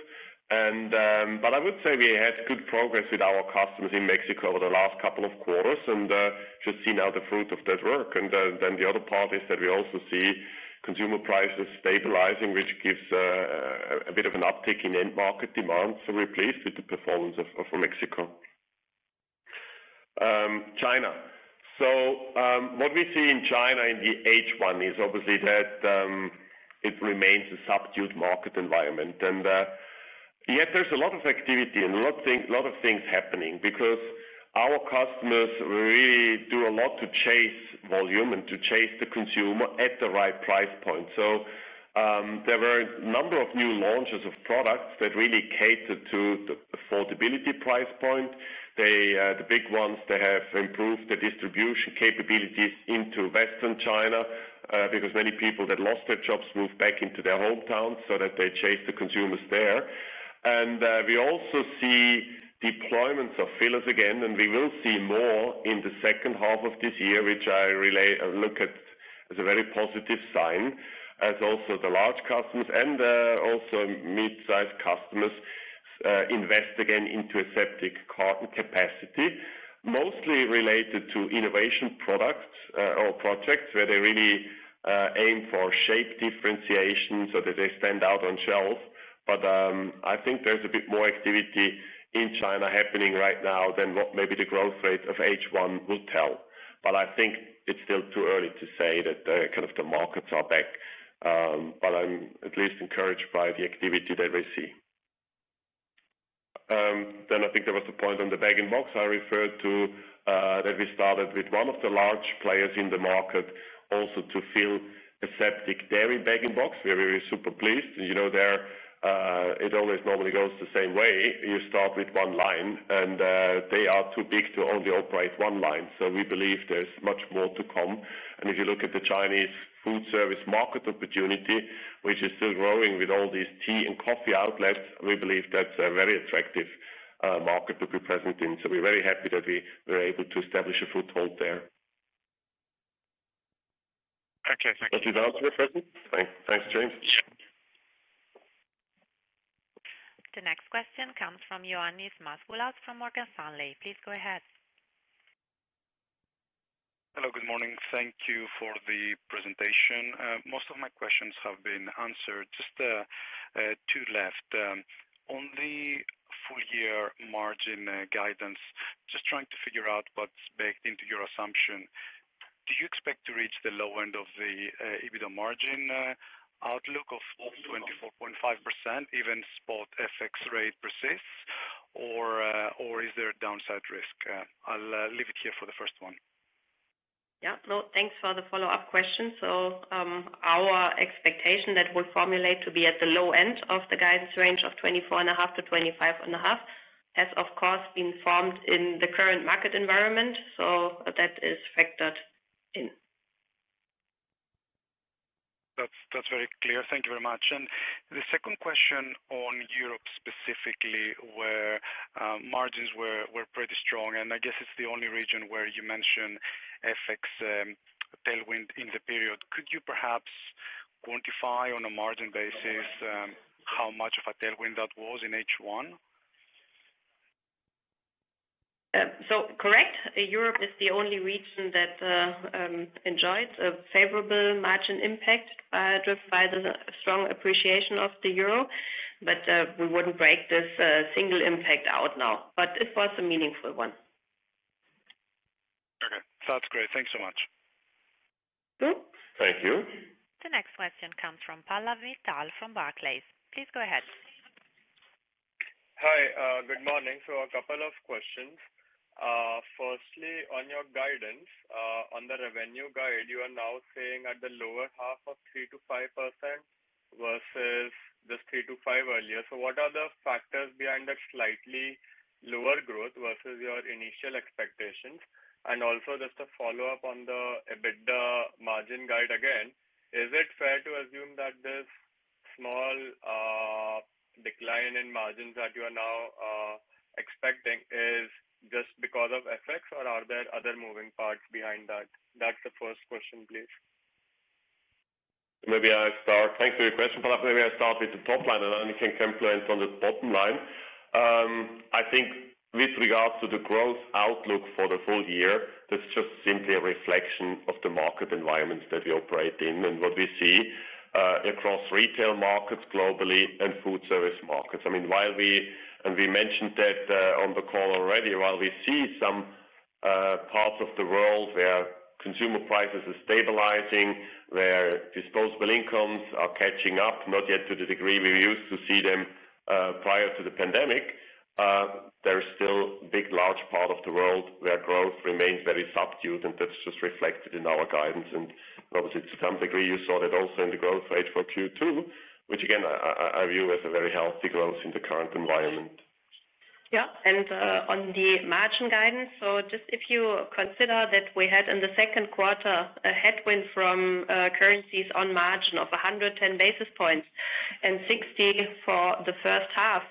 but I would say we had good progress with our customers in Mexico over the last couple of quarters and just see now the fruit of that work. The other part is that we also see consumer prices stabilizing, which gives a bit of an uptick in end market demand. We're pleased with the performance of Mexico. China. What we see in China in the H1 is obviously that it remains a subdued market environment, yet there's a lot of activity and a lot of things happening because our customers really do a lot to chase volume and to chase the consumer at the right price point. There were a number of new launches of products that really cater to the affordability price point. The big ones have improved the distribution capabilities into western China because many people that lost their jobs moved back into their hometowns so that they chased the consumers there. We also see deployments of fillers again. We will see more in the second half of this year, which I look at as a very positive sign as also the large customers and also mid-sized customers invest again into aseptic carton capacity, mostly related to innovation products or projects where they really aim for shape differentiation so that they stand out on shelves. I think there's a bit more activity in China happening right now than what maybe the growth rate of H1 will tell. I think it's still too early to say that the markets are back. I'm at least encouraged by the activity that we see. I think there was a point on the bag-in-box. I referred to that we started with one of the large players in the market also to fill aseptic dairy bag-in-box. We were super pleased. There it always normally goes the same way. You start with one line and they are too big to only operate one line. We believe there's much more to come. If you look at the Chinese food service market opportunity, which is still growing with all these tea and coffee outlets, we believe that's a very attractive market to be present in. We're very happy that we were able to establish a foothold there. Okay, thank you. Thanks James. The next question comes from Ioannis Masvoulas from Morgan Stanley. Please go ahead. Hello, good morning. Thank you for the presentation. Most of my questions have been answered. Just two left on the full year margin guidance. Just trying to figure out what's baked into your assumption. Do you expect to reach the low end of the EBITDA margin outlook of 24.5% even if spot FX rate persists, or is there a downside risk? I'll leave it here for the first one. Yeah, thanks for the follow up question. Our expectation that we formulate to be at the low end of the guidance range of 24.5% to 25.5% has of course been formed in the current market environment. That is factored in. That's very clear. Thank you very much. The second question, on Europe specifically, where margins were pretty strong and I guess it's the only region where you mentioned FX tailwind in the period, could you perhaps quantify on a margin basis how much of a tailwind that was in H1? Correct. Europe is the only region that enjoyed a favorable margin impact driven by the strong appreciation of the Euro. We wouldn't break this single impact out now, but it was a meaningful one. Okay, sounds great. Thanks so much. Thank you. The next question comes from Pallav Mittal from Barclays. Please go ahead. Hi, good morning. A couple of questions. Firstly, on your guidance on the revenue guide, you are now saying at the. Lower half of 3%-5% vs this 3%-5% earlier. What are the factors behind that slightly lower growth versus your initial expectations? Also, just a follow up on the EBITDA margin guide. Again, is it fair to assume that this small decline in margins that you are now expecting is just because of FX, or are there other moving parts behind that? That's the first question, please. Maybe I start. Thanks for your question. Maybe I'll start with the top line and you can complain on the bottom line. I think with regards to the growth outlook for the full year, that's just simply a reflection of the market environments that we operate in and what we see across retail markets globally and food service markets. I mean, while we, and we mentioned that on the call already, while we see some parts of the world where consumer prices are stabilizing, where disposable incomes are catching up, not yet to the degree we used to see them prior to the pandemic, there's still big large part of the world where growth remains very subdued. That's just reflected in our guidance. Obviously to some degree you saw that also in the growth rate for Q2, which again I view as a very healthy growth in the current environment. Yeah, and on the margin guidance. If you consider that we had in the second quarter a headwind from currencies on margin of 110 basis points and 60 for the first half,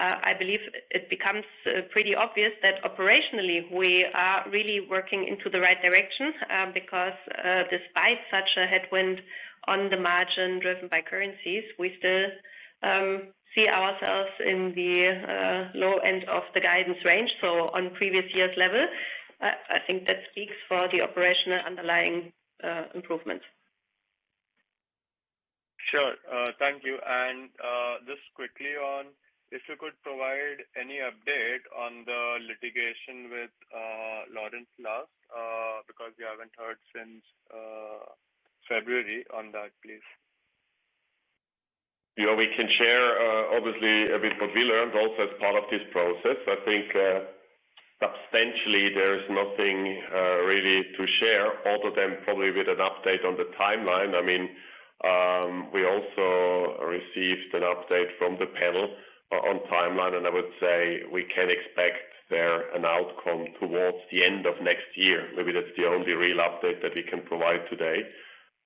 I believe it becomes pretty obvious that operationally we are really working into the right direction because despite such a headwind on the margin driven by currencies, we still see ourselves in the low end of the guidance range. On previous year's level, I think that speaks for the operational underlying improvement. Sure, thank you. Could you provide any update on the litigation with Lawrence last, because we haven't heard since? February on that, please. We can share obviously a bit what we learned also as part of this process. I think substantially there is nothing really to share other than probably with an update on the timeline. I mean, we also received an update from the panel on timeline, and I would say we can expect there an outcome towards the end of next year. Maybe that's the only real update that we can provide today.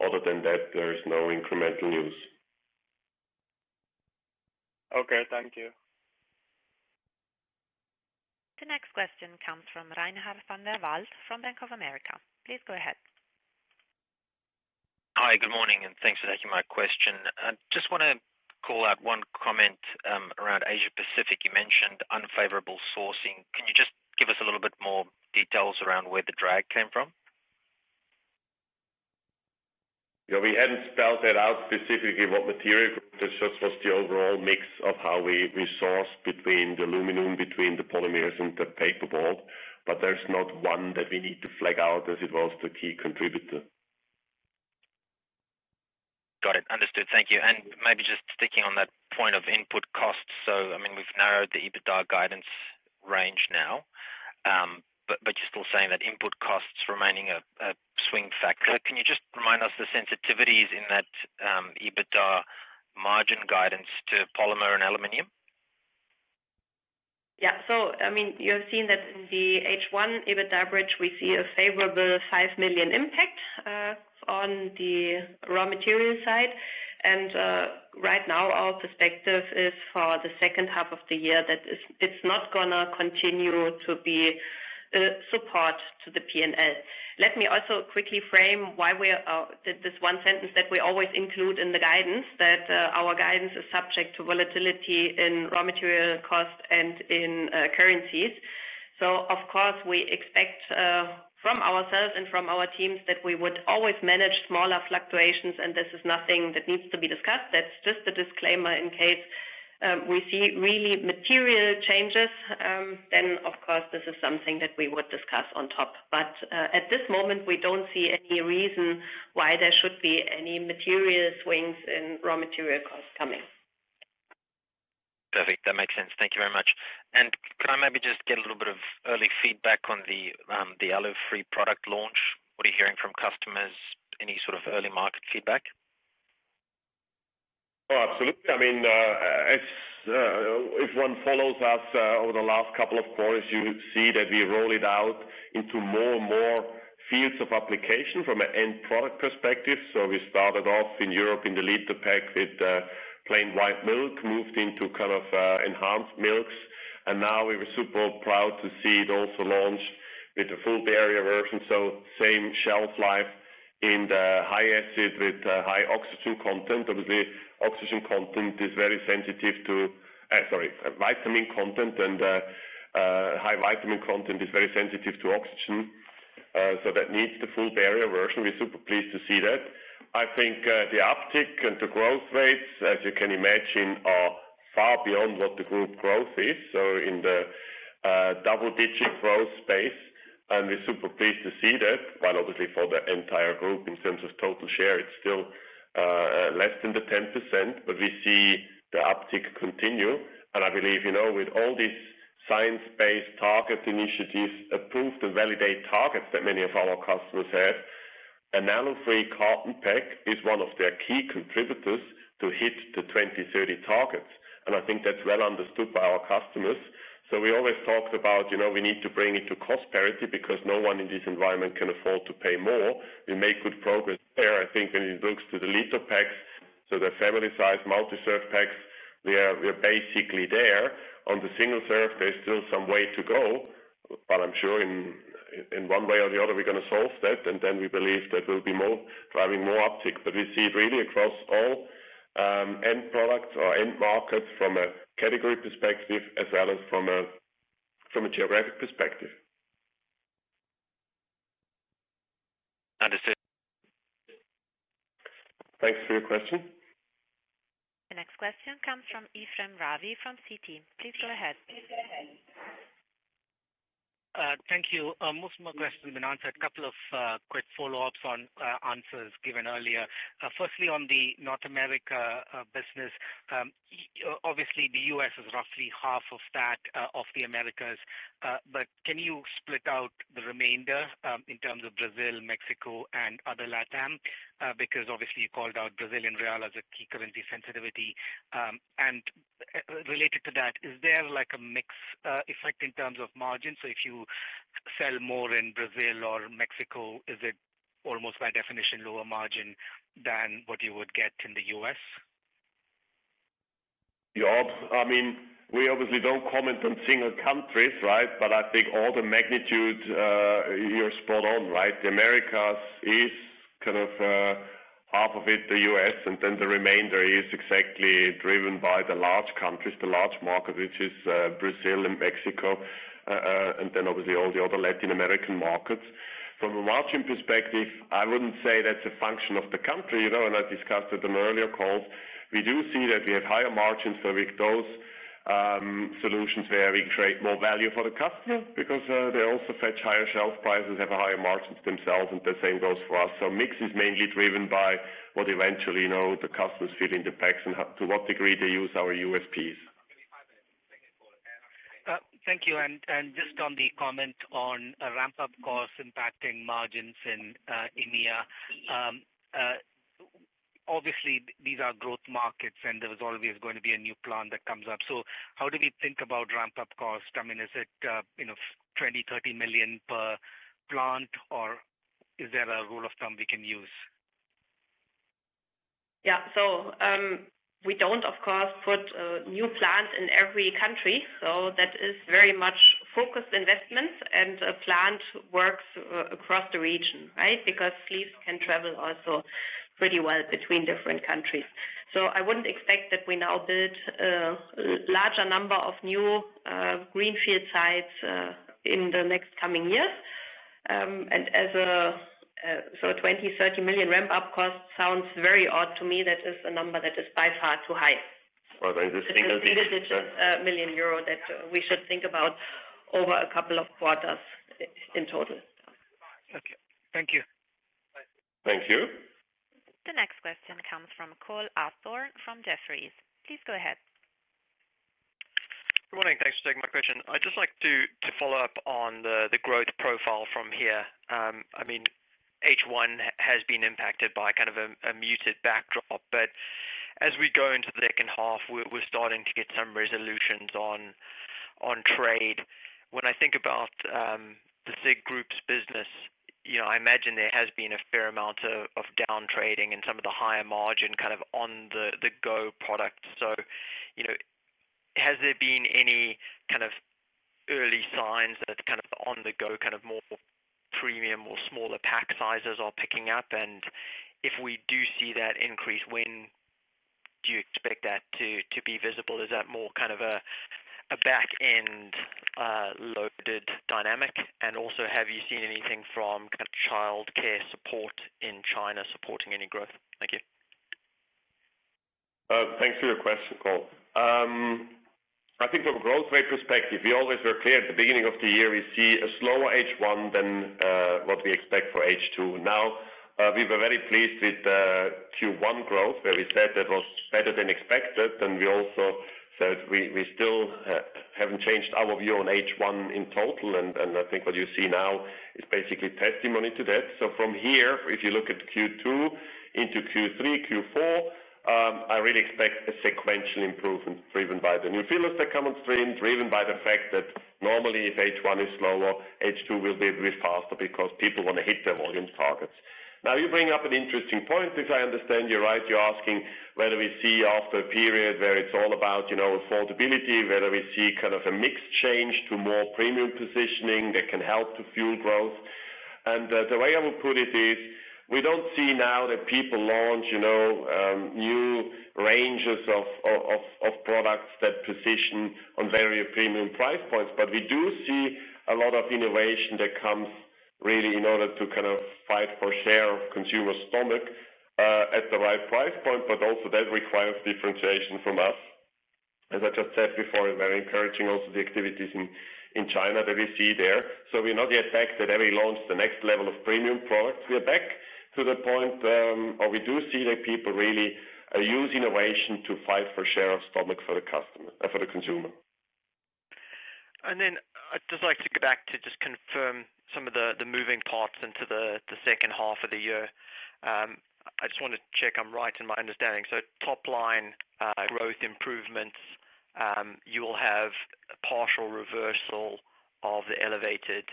Other than that, there is no incremental news. Okay, thank you. The next question comes from Reinhardt van der Walt from Bank of America. Please go ahead. Hi, good morning and thanks for taking my question. I just want to call out one comment around Asia Pacific. You mentioned unfavorable sourcing. Can you just give us a little bit more details around where the drag came from? Yeah, we hadn't spelled that out specifically what material this just was, the overall mix of how we source between the aluminum, between the polymers, and the paperboard. There's not one that we need to flag out as it was the key contributor. Got it. Understood. Thank you. Maybe just sticking on that point of input costs. I mean, we've narrowed the EBITDA guidance range now, but you're still saying that input costs remain a swing factor. Can you just remind us the sensitivities in that EBITDA margin guidance to polymer and aluminum? Yeah. You have seen that in the H1 EBITDA bridge we see a favorable 5 million impact on the raw material side. Right now our perspective is for the second half of the year that it's not going to continue to be support to the P&L. Let me also quickly frame why we did this. One sentence that we always include in the guidance is that our guidance is subject to volatility in raw material cost and in currencies. Of course, we expect from ourselves and from our teams that we would always manage smaller fluctuations. This is nothing that needs to be discussed. That's just a disclaimer in case we see really material changes. Of course, this is something that we would discuss on top. At this moment we don't see any reason why there should be any material swings in raw material costs coming. Perfect. That makes sense. Thank you very much. Could I maybe just get a little bit of early feedback on the alu-free barrier aseptic packaging product launch? What are you hearing from customers? Any sort of early market feedback? Absolutely. I mean if one follows us over the last couple of quarters, you see that we roll it out into more and more fields of application from an end product perspective. We started off in Europe in the liter pack with plain white milk, moved into kind of enhanced milks and now we were super proud to see it also launched with the full barrier version. Same shelf life in the high acid with high oxygen content. Obviously, vitamin content and high vitamin content is very sensitive to oxygen. That needs the full barrier version. We're super pleased to see that. I think the uptick and the growth rates, as you can imagine, are far beyond what the group growth is, so in the double-digit growth space and we're super pleased to see that while obviously for the entire group in terms of total share it's still less than 10% but we see the uptick continue and I believe, you know, with all these science-based target initiatives, approved and validated targets that many of our customers have, alu-free carton pack is one of their key contributors to hit the 2030 targets and I think that's well understood by our customers. We always talk about we need to bring it to cost parity because no one in this environment can afford to pay more. We make good progress there. I think when it looks to the liter packs, so the family size multi-serve packs, we are basically there. On the single serve, there's still some way to go but I'm sure in one way or the other we're going to solve that and then we believe that we'll be more driving, more uptick. We see it really across all end products or end markets from a category perspective as well as from a geographic perspective. Understood. Thanks for your question. The next question comes from Ephraim Ravi from Citi. Please go ahead. Thank you. Most of my questions have been answered. A couple of quick follow-ups on answers given earlier. Firstly, on the North America business, obviously. The U.S. is roughly half of that of the Americas. Can you split out the remainder? In terms of Brazil, Mexico and other Latin America? Because obviously you called out Brazilian Real as a key currency sensitivity, and related to that, is there like a mix effect in terms of margin? If you sell more in Brazil or Mexico, is it almost by definition lower margin than what you would get in the U.S. job? I mean we obviously don't comment on single countries. Right. I think all the magnitude, you're spot on. The Americas is kind of half of it, the U.S., and then the remainder is exactly driven by the large countries, the large market, which is Brazil and Mexico, and then obviously all the other Latin American markets. From a margin perspective, I wouldn't say that's a function of the country. I discussed it in earlier calls. We do see that we have higher margins for those solutions where we create more value for the customer because they also fetch higher shelf prices, have higher margins themselves, and the same goes for us. Mix is mainly driven by what eventually the customers feel in the packs and to what degree they use our USPs. Thank you. On the comment on a ramp up cost impacting margins in EMEA. Obviously, these are growth markets and there is always going to be a new plant that comes up. How do we think about ramp up cost? I mean, is it 20 million, 30 million. Per plant or is there a rule? Of thumb we can use? We don't, of course, put new plants in every country. That is very much focused investments, and a plant works across the region, right, because sleeves can travel also pretty well between different countries. I wouldn't expect that we now build a larger number of new greenfield sites in the next coming years. As a 20 million-30 million ramp-up cost sounds very odd to me. That is a number that is by far too highUR 1 million that we should think about over a couple of quarters in total. Thank you. Thank you. The next question comes from Cole Hathorn from Jefferies. Please go ahead. Good morning. Thanks for taking my question. I'd just like to follow up on the growth profile from here. I mean, H1 has been impacted by kind of a muted backdrop, but as we go into the second half, we're starting to get some resolution on trade. When I think about the SIG Group's business, I imagine there has been a fair amount of down trading and some of the higher margin kind of on-the-go products. Has there been any early signs that kind of on-the-go, more premium, or smaller pack sizes are picking up? If we do see that increase, when do you expect that to be visible? Is that more of a back-end loaded dynamic? Also, have you seen anything from child care support in China supporting any growth? Thank you. Thanks for your question, Cole. I think from a growth rate perspective, we always were clear at the beginning of the year we see a slower H1 than what we expect for H1 now. We were very pleased with Q1 growth where we said that was better than expected. We also said we still haven't changed our view on H1 in total. I think what you see now is basically testimony to that. From here, if you look at Q2 into Q3, Q4, I really expect a sequential improvement driven by the new fillers that come upstream, driven by the fact that normally if H1 is slower, H2 will be a bit faster because people want to hit their volume targets. You bring up an interesting point. If I understand you right, you're asking whether we see after a period where it's all about affordability, whether we see kind of a mix change to more premium positioning that can help to fuel growth. The way I would put it is we don't see now that people launch new ranges of products that position on various premium price points, but we do see a lot of innovation that comes really in order to kind of fight for share of consumer stomach at the right price point. That also requires differentiation from us, as I just said before, very encouraging. Also the activities in China that we see there. We're not yet back to every launch the next level of premium product. We are back to the point or we do see that people really use innovation to fight for share of stomach for the consumer. I'd just like to go back to confirm some of the moving parts into the second half of the year. I just want to check I'm right in my understanding. Top line growth improvements, you will have partial reversal of the elevated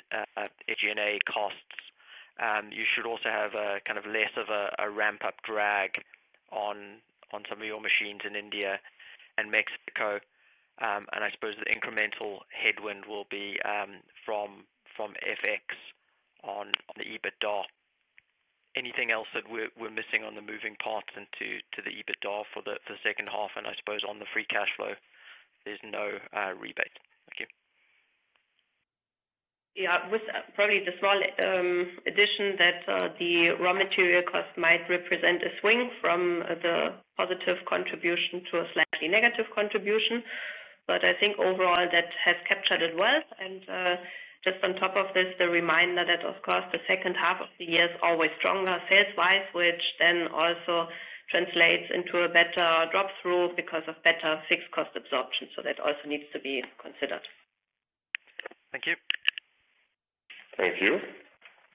SG&A costs. You should also have less of a ramp up drag on some of your machines in India and Mexico. I suppose the incremental headwind will be from FX on the adjusted EBITDA. Is there anything else that we're missing on the moving parts into the adjusted EBITDA for the second half? I suppose on the free cash flow, there's no rebate. Thank you. Yeah, with probably the small addition that the raw material cost might represent a swing from the positive contribution to a slightly negative contribution. I think overall that has captured it well. Just on top of this, the reminder that of course the second half of the year is always stronger sales wise, which then also translates into a better drop through because of better fixed cost absorption. That also needs to be considered. Thank you. Thank you.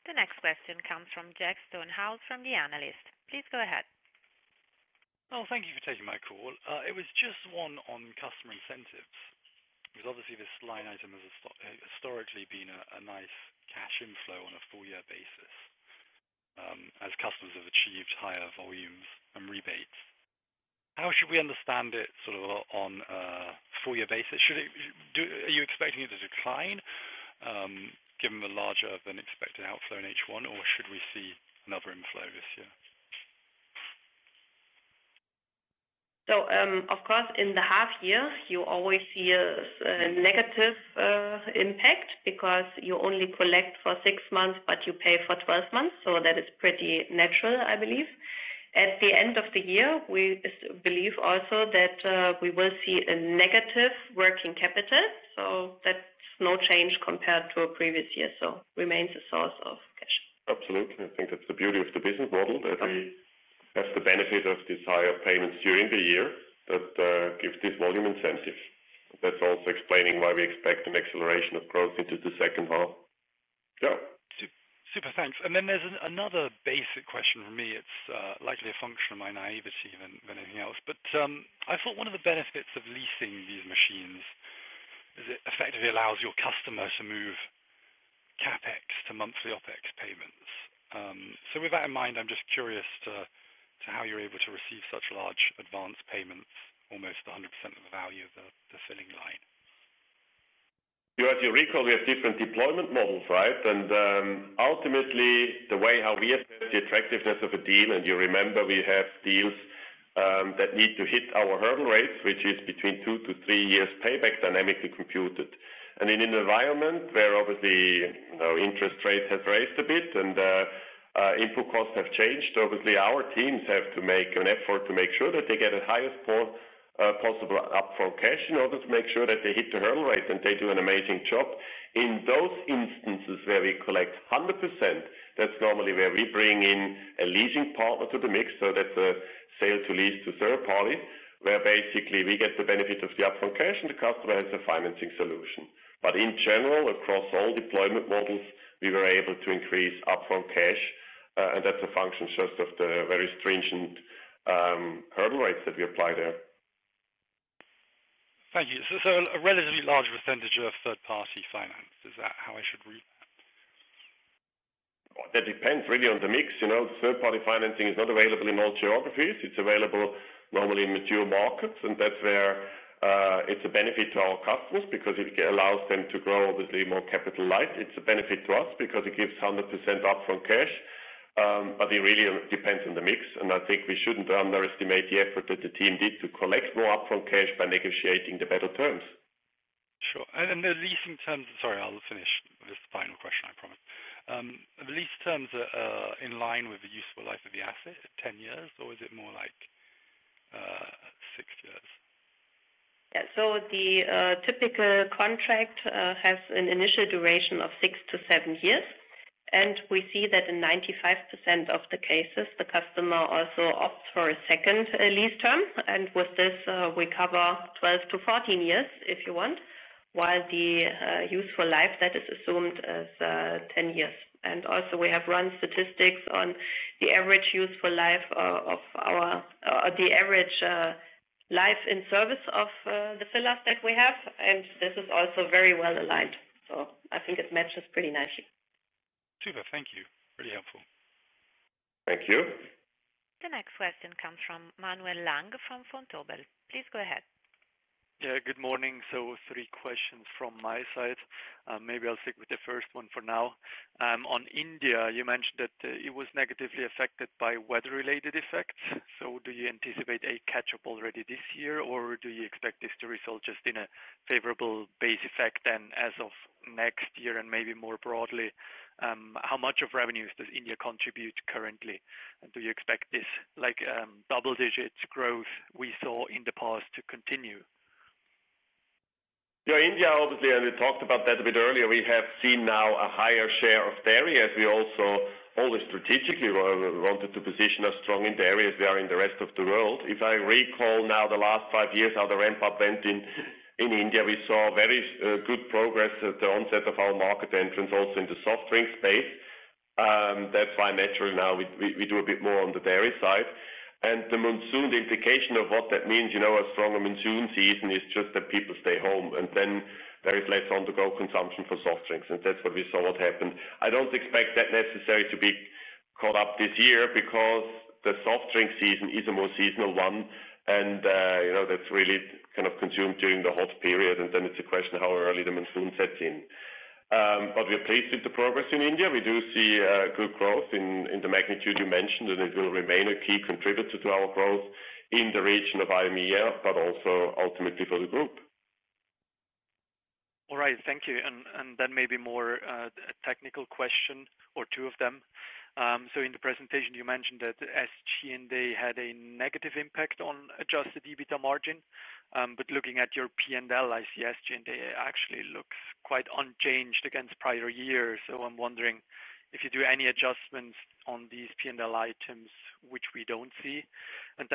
The next question comes from Jack Stonehouse from The Analyst. Please go ahead. Thank you for taking my call. It was just one on customer incentives because obviously this line item has historically been a nice cash inflow on a full year basis as customers have achieved higher volumes and rebates. How should we understand it sort of on a full year basis, are you expecting it to decline given the larger than expected outflow in H1, or should we see another inflow this year? Of course, in the half year you always see a negative impact because you only collect for six months, but you pay for 12 months. That is pretty natural. I believe at the end of the year we believe also that we will see a negative working capital. That's no change compared to a previous year. It remains a source of. Absolutely. I think that's the beauty of the business model, that we have the benefit of this higher payments during the year that gives this volume incentive. That's also explaining why we expect an acceleration of growth into the second half. Super, thanks. There's another basic question. For me, it's likely a function of my naivety than anything else, but I thought one of the benefits of leasing these machines is it effectively allows your customer to move CapEx to monthly OpEx payments. With that in mind, I'm just curious how you're able to receive such large advance payments, almost 100% of the value of the filling line. As you recall, we have different deployment models, right? Ultimately, the way we assess the attractiveness of a deal, and you remember we have deals that need to hit our hurdle rates, which is between 2-3 years payback dynamically, compared to an environment where obviously interest rates have raised a bit and input costs have changed. Obviously, our teams have to make an effort to make sure that they get the highest possible upfront cash in order to make sure that they hit the hurdle rate. They do an amazing job. In those instances where we collect 100%, that's normally where we bring in a leasing partner to the mix. That's a sale to lease to third party, where basically we get the benefit of the upfront cash and the customer has a financing solution. In general, across all deployment models, we were able to increase upfront cash, and that's a function just of the very stringent hurdle rates that we apply there. Thank you. A relatively large percentage of third party finance, is that how I should read that? That depends really on the mix. Third party financing is not available in all geographies. It's available normally in mature markets, and that's where it's a benefit to our customers because it allows them to grow obviously more capital light. It's a benefit to us because it gives 100% upfront cash. It really depends on the mix. I think we shouldn't underestimate the effort that the team did to collect more upfront cash by negotiating the better terms. Sure. The leasing terms. Sorry, I'll finish this final question, I promise. The lease terms are in line with the useful life of the asset at 10 years, or is it more like six years? The typical contract has an initial duration of 6-7 years, and we see that in 95% of the cases the customer also opts for a second lease term. With this, we cover 12-14 years if you want, while the useful life that is assumed is 10 years. We have run statistics on the average useful life of our, the average life in service of the filler that we have, and this is also very well aligned. I think it matches pretty nicely. Super, thank you. Really helpful. Thank you. The next question comes from Manuel Lang from Vontobel.Please go ahead. Good morning. Three questions from my side. Maybe I'll stick with the first one for now. On India, you mentioned that it was negatively affected by weather-related effects. Do you anticipate a catch up already this year, or do you expect this to result just in a favorable base effect then as of next year? Maybe more broadly, how much of revenues does India contribute currently, and do you expect this like double-digit growth we saw in the past to continue? India, obviously, and we talked about that a bit earlier, we have seen now a higher share of dairy as we also always strategically wanted to position us strong in dairy as we are in the rest of the world. If I recall now the last five years how the ramp up went in India, we saw very good progress at the onset of our market entrance, also in the soft drink space. That's why naturally now we do a bit more on the dairy side, and the monsoon, the implication of what that means, you know, a stronger monsoon season is just that people stay home and then there is less on-the-go consumption for soft drinks. That's what we saw happened. I don't expect that necessarily to be caught up this year because the soft drink season is a more seasonal one and that's really kind of consumed during the hot period, and then it's a question how early the monsoon sets in. We are pleased with the progress in India. We do see good growth in the magnitude you mentioned, and it will remain a key contributor to our growth in the region of IMEA, but also ultimately for the group. All right, thank you. Maybe a more technical question or two of them. In the presentation you mentioned that SG&A had a negative impact on adjusted EBITDA margin, but looking at your P&L, SG&A actually looks quite unchanged against prior year. I'm wondering if you do any adjustments on these P&L items which we don't see. Also,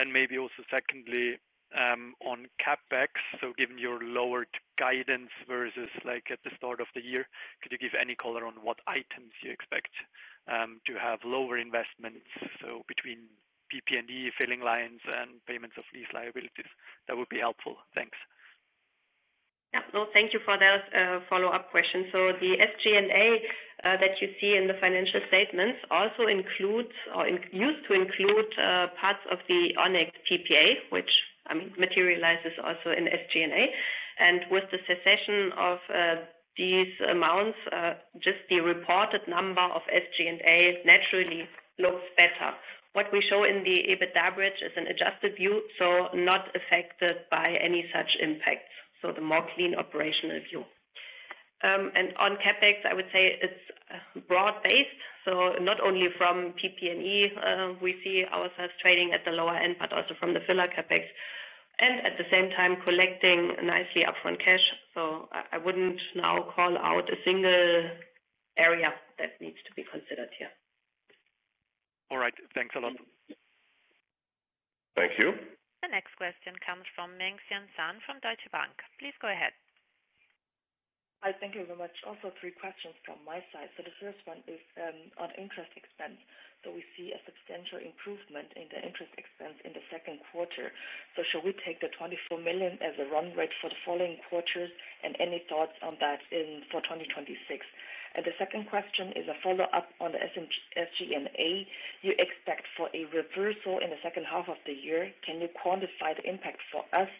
on CapEx, given your lowered guidance vs at the start of the year, could you give any color on what items you expect to have lower investments? Between PP&E, filling lines, and payments of lease liabilities, that would be helpful. Thanks. Thank you for that follow-up question. The SG&A that you see in the financial statements also includes or used to include parts of the ONC PPA, which materializes also in SG&A. With the cessation of these amounts, just the reported number of SG&A naturally looks better. What we show in the EBITDA bridge is an adjusted view, not affected by any such impacts. This is the more clean operational view. On CapEx, I would say it's broad-based, not only from PP&E. We see ourselves trading at the lower end, but also from the filler CapEx, and at the same time collecting nicely upfront cash. I wouldn't now call out a single area that needs to be considered here. All right, thanks a lot. Thank you. The next question comes from Mengxian Sun from Deutsche Bank. Please go ahead. Thank you very much. Also three questions from my side. The first one is on interest expense. We see a substantial improvement in the interest expense in the second quarter. Should we take the 24 million as a run rate for the following quarters and any thoughts for 2026? The second question is a follow up on the SG&A. You expect a reversal in the second half of the year. Can you quantify the impact for us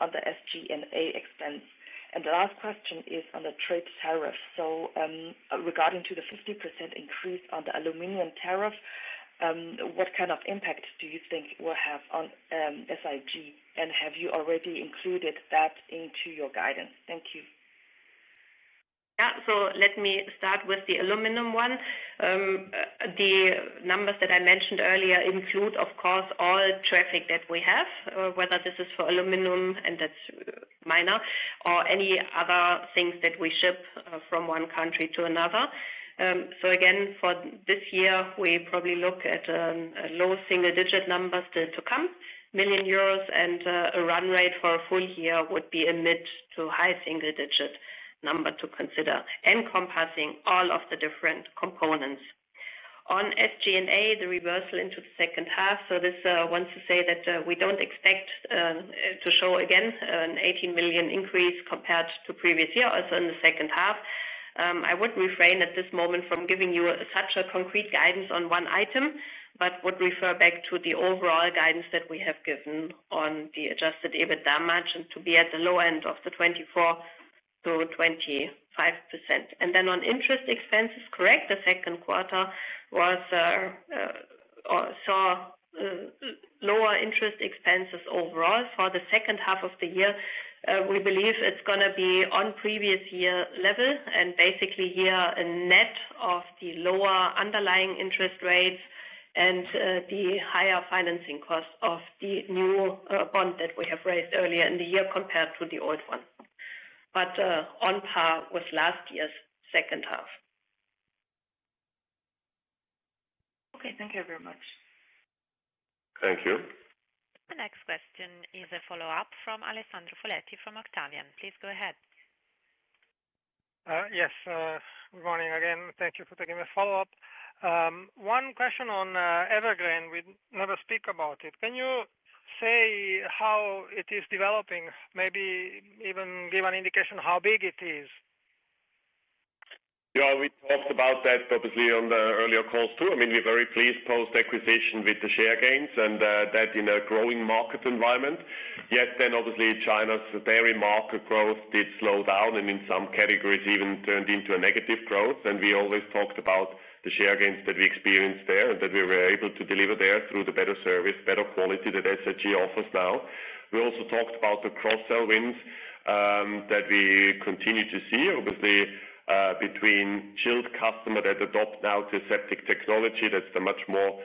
on the SG&A expense? The last question is on the trade tariffs. Regarding the 50% increase on the aluminum tariff, what kind of impact do you think will have on SIG? Have you already included that into your guidance? Thank you. Let me start with the aluminum one. The numbers that I mentioned earlier include, of course, all traffic that we have, whether this is for aluminum, and that's minor, or any other things that we ship from one country to another. For this year, we probably look at a low single-digit number still to come, million euros. A run rate for a full year would be a mid to high single-digit number to consider, encompassing all of the different components. On SG&A, the reversal into the second half, this wants to say that we don't expect to show again an 18 million increase compared to previous year also in the second half. I would refrain at this moment from giving you such a concrete guidance on one item but would refer back to the overall guidance that we have given on the adjusted EBITDA margin to be at the low end of the 24%-25%. On interest expenses, correct, the second quarter saw lower interest expenses. Overall for the second half of the year, we believe it's going to be on previous year level and basically here a net of the lower underlying interest rates and the higher financing cost of the new bond that we have raised earlier in the year compared to the old one, but on par with last year's second half. Okay, thank you very much. Thank you. The next question is a follow-up from Alessandro Foletti from Octavian. Please go ahead. Yes, good morning again. Thank you for taking my follow up. One question on Evergreen, we never speak about it. Can you say how it is developing, maybe even give an indication how big it is? We talked about that obviously on the earlier calls too. I mean we're very pleased post acquisition with the share gains and that in a growing market environment. Yet obviously China's dairy market growth did slow down and in some categories even turned into a negative growth. We always talked about the share gains that we experienced there and that we were able to deliver there through the better service, better quality that SIG offers. We also talked about the cross-sell wins that we continue to see obviously between chilled customers that adopt now the aseptic technology. That's the much more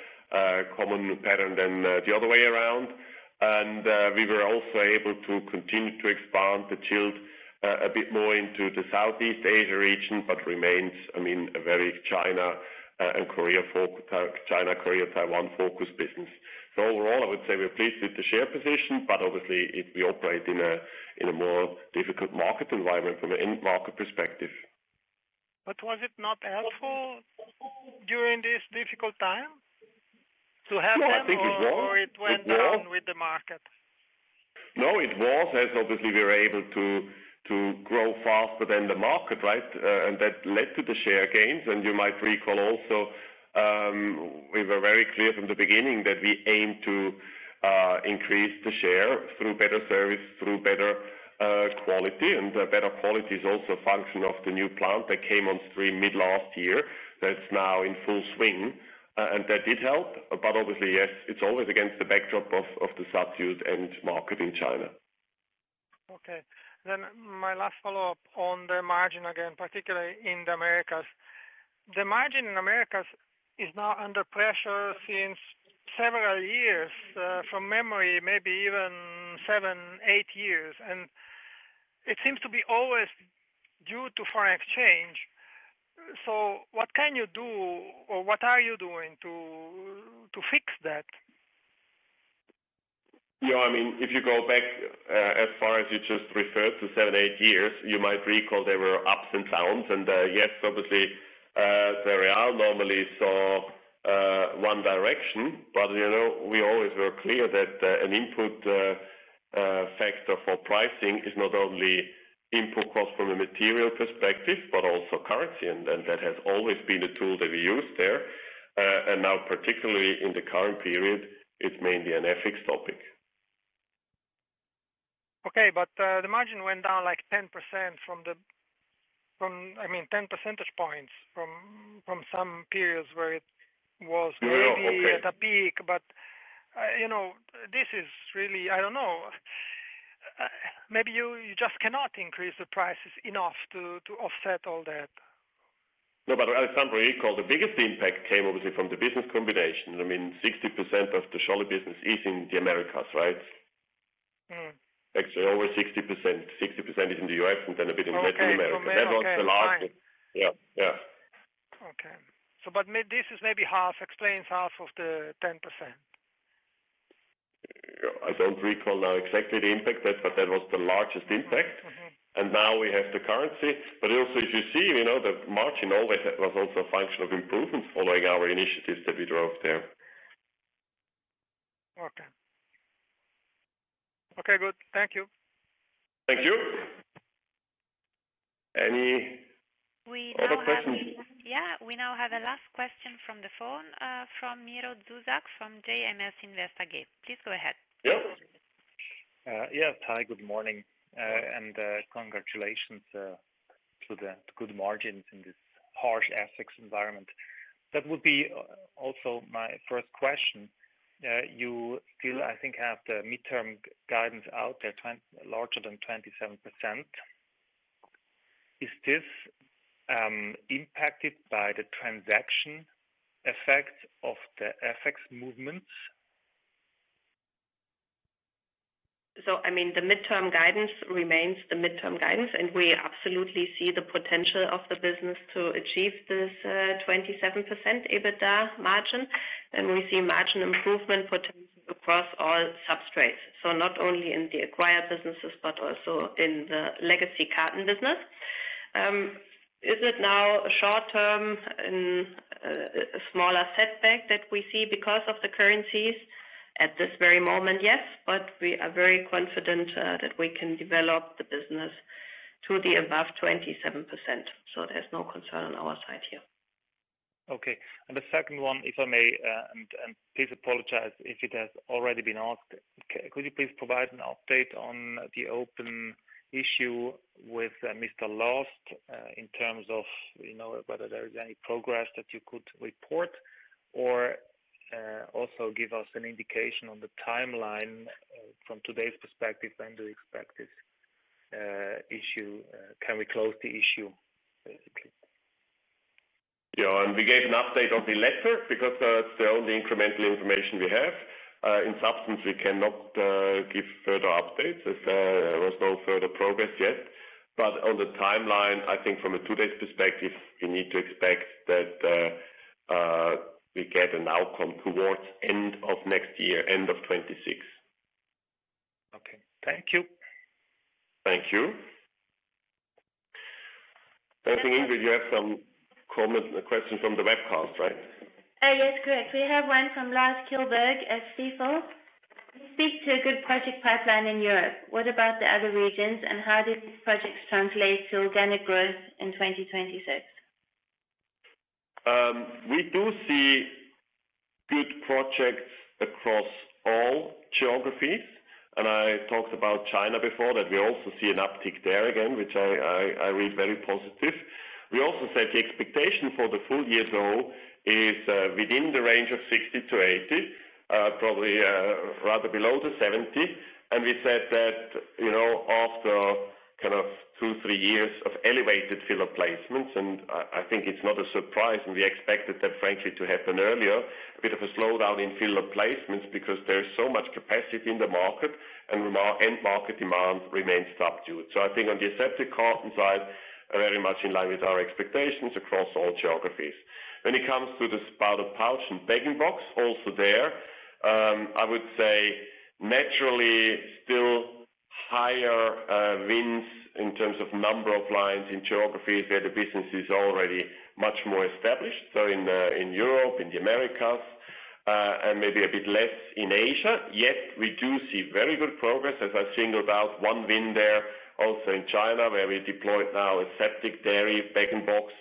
common pattern than the other way around. We were also able to continue to expand the chilled a bit more into the Southeast Asia region, but it remains, I mean, a very China, Korea, Taiwan focused business. Overall, I would say we're pleased with the share position, but obviously we operate in a more difficult market environment from an end market perspective. Was it not helpful during this difficult time to have before it went down with the market? No, it was as obviously we were able to grow faster than the market, right, and that led to the share gains. You might recall also we were very clear from the beginning that we aim to increase the share through better service, through better quality. Better quality is also a function of the new plant that came on stream mid last year that's now in full swing and that did help. Obviously, yes, it's always against the backdrop of the substitute end market in China. Okay, then my last follow-up on the margin again, particularly in the Americas. The margin in the Americas is now under pressure since several years from memory, maybe even seven, eight years, and it seems to be always due to foreign exchange. What can you do or what are you doing to fix that? Yeah, I mean if you go back as far as you just referred to seven, eight years, you might recall there were ups and downs, and yes, normally saw one direction, but we always were clear that an input factor for pricing is not only input cost from a material perspective, but also currency. That has always been a tool that we use there. Now, particularly in the current period, it's mainly an FX topic. Okay, the margin went down like 10% from the, I mean 10 percentage points from some periods where it was. You know, this is really, I don't know, maybe you just cannot increase the prices enough to offset all that. No, but Alexandra, recall the biggest impact came obviously from the business combination. I mean 60% of the Scholle business is in the Americas, right? Actually over 60%. 60% is in the U.S. and then a bit in Latin America. That was the last? Yeah, yeah. Okay, so this maybe half explains half of the 10%? I don't recall now exactly the impact, but that was the largest impact. Now we have the currency. If you see, we know the margin always was also a function of improvements following our initiatives that we drove there. Okay, okay, good. Thank you. Thank you. Any other questions? Yeah, we now have a last question from the phone from Miro Zuzak from JMS Invest. Please go ahead. Yes. Yes, hi, good morning and congratulations to the good margins in this harsh FX environment. That would be also my first question. You still, I think, have the midterm guidance out there larger than 27%. Is this impacted by the transaction effect of the FX movements? The midterm guidance remains the midterm guidance and we absolutely see the potential of the business to achieve this 27% EBITDA margin. We see margin improvement potential across all substrates, not only in the acquired businesses, but also in the legacy carton business. Is it now short term smaller setback that we see because of the currencies at this very moment? Yes, but we are very confident that we can develop the business to the above 27%. There's no concern on our side here. Okay. The second one, if I may, and please apologize if it has already been asked, could you please provide an update on the open issue with lost in terms of whether there is any progress that you could report or also give us an indication on the timeline from today's perspective. When do you expect this issue? Can we close the issue? We gave an update on the letter because it's the only incremental information we have. In substance, we cannot give further updates as there was no further progress yet. On the timeline, I think from a two days perspective, we need to expect that we get an outcome towards end of next year, end of 2026. Okay, thank you. Thank you. I think, Ingrid, you have some questions from the webcast, right? Yes, correct. We have one from Lars Kjellberg of Stifel. Speak to a good project pipeline in Europe. What about the other regions, and how do projects translate to organic growth in 2026? We do see good projects across all geographies. I talked about China before that. We also see an uptick there again, which I read very positive. We also said the expectation for the full year though is within the range of 60-80, probably rather below the 70. We said that, you know, after kind of two, three years of elevated filler placements. I think it's not a surprise when we actually expected that frankly to happen earlier. A bit of a slowdown in filler placements because there is so much capacity in the market and end market demand remains subdued. I think on the aseptic carton side, very much in line with our expectations across all geographies. When it comes to the spouted pouch and bag-in-box, also there I would say naturally still higher wins in terms of number of lines in geographies where the business is already much more established, so in Europe, in the Americas and maybe a bit less in Asia. Yet we do see very good progress as I singled out one win there also in China where we deployed now aseptic dairy pack in box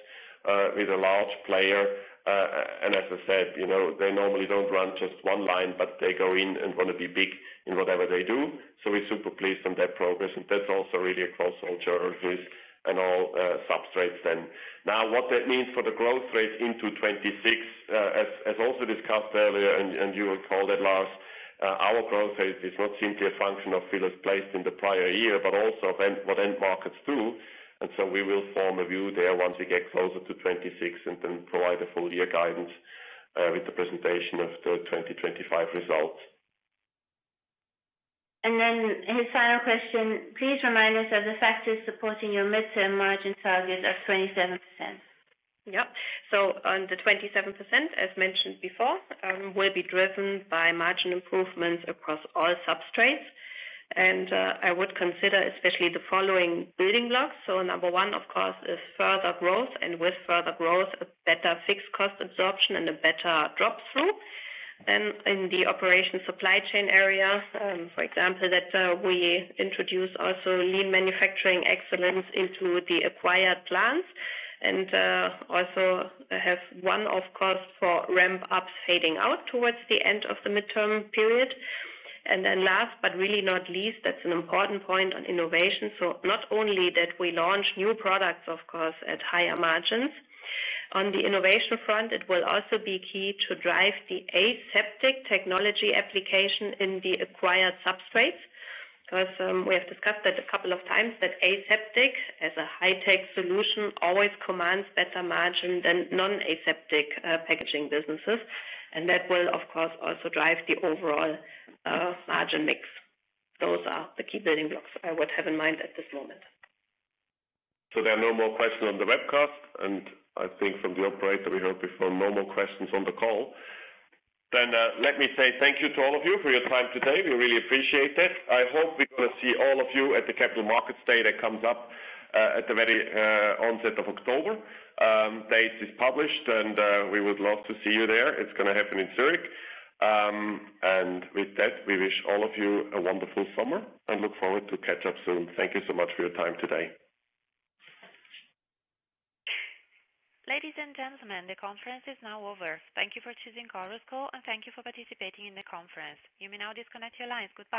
with a large player. As I said, you know, they normally don't run just one line, but they go in and want to be big in whatever they do. We're super pleased on their progress. That's also really a cross culture. Who is and all substrates then now what that means for the growth rate into 2026, as also discussed earlier, and you recall that, Lars, our growth rate is not simply a function of fillers placed in the prior year, but also what end markets do. We will form a view there once we get closer to 2026 and then provide a full year guidance with the presentation of the 2025. His final question, please remind us that the factors supporting your mid-term margin target are 27%. Yep. The 27% as mentioned before will be driven by margin improvements across all substrates, and I would consider especially the following building blocks. Number one, of course, is further growth, and with further growth, better fixed cost absorption and a better drop through. In the operation supply chain area, for example, we introduced lean manufacturing excellence into the acquired plants and also have one-off costs for ramp-ups fading out towards the end of the midterm period. Last, but really not least, that's an important point on innovation. Not only that we launch new products, of course, at higher margins, on the innovation front it will also be key to drive the aseptic technology application in the acceleration substrates. We have discussed that a couple of times, that aseptic as a high-tech solution always commands better margin than non-aseptic packaging businesses, and that will, of course, also drive the overall margin mix. Those are the key building blocks I would have in mind at this moment. There are no more questions on the webcast and I think from the operator we heard before, no more questions on the call. Let me say thank you to all of you for your time today. We really appreciate that. I hope we're going to see all of you at the Capital Markets Day that comes up at the very onset of October. Dates are published and we would love to see you there. It's going to happen in Zurich and with that we wish all of you a wonderful summer and look forward to catch up soon. Thank you so much for your time today. Ladies and gentlemen, the conference is now over. Thank you for choosing Coruscall and thank you for participating in the conference. You may now disconnect your lines. Goodbye.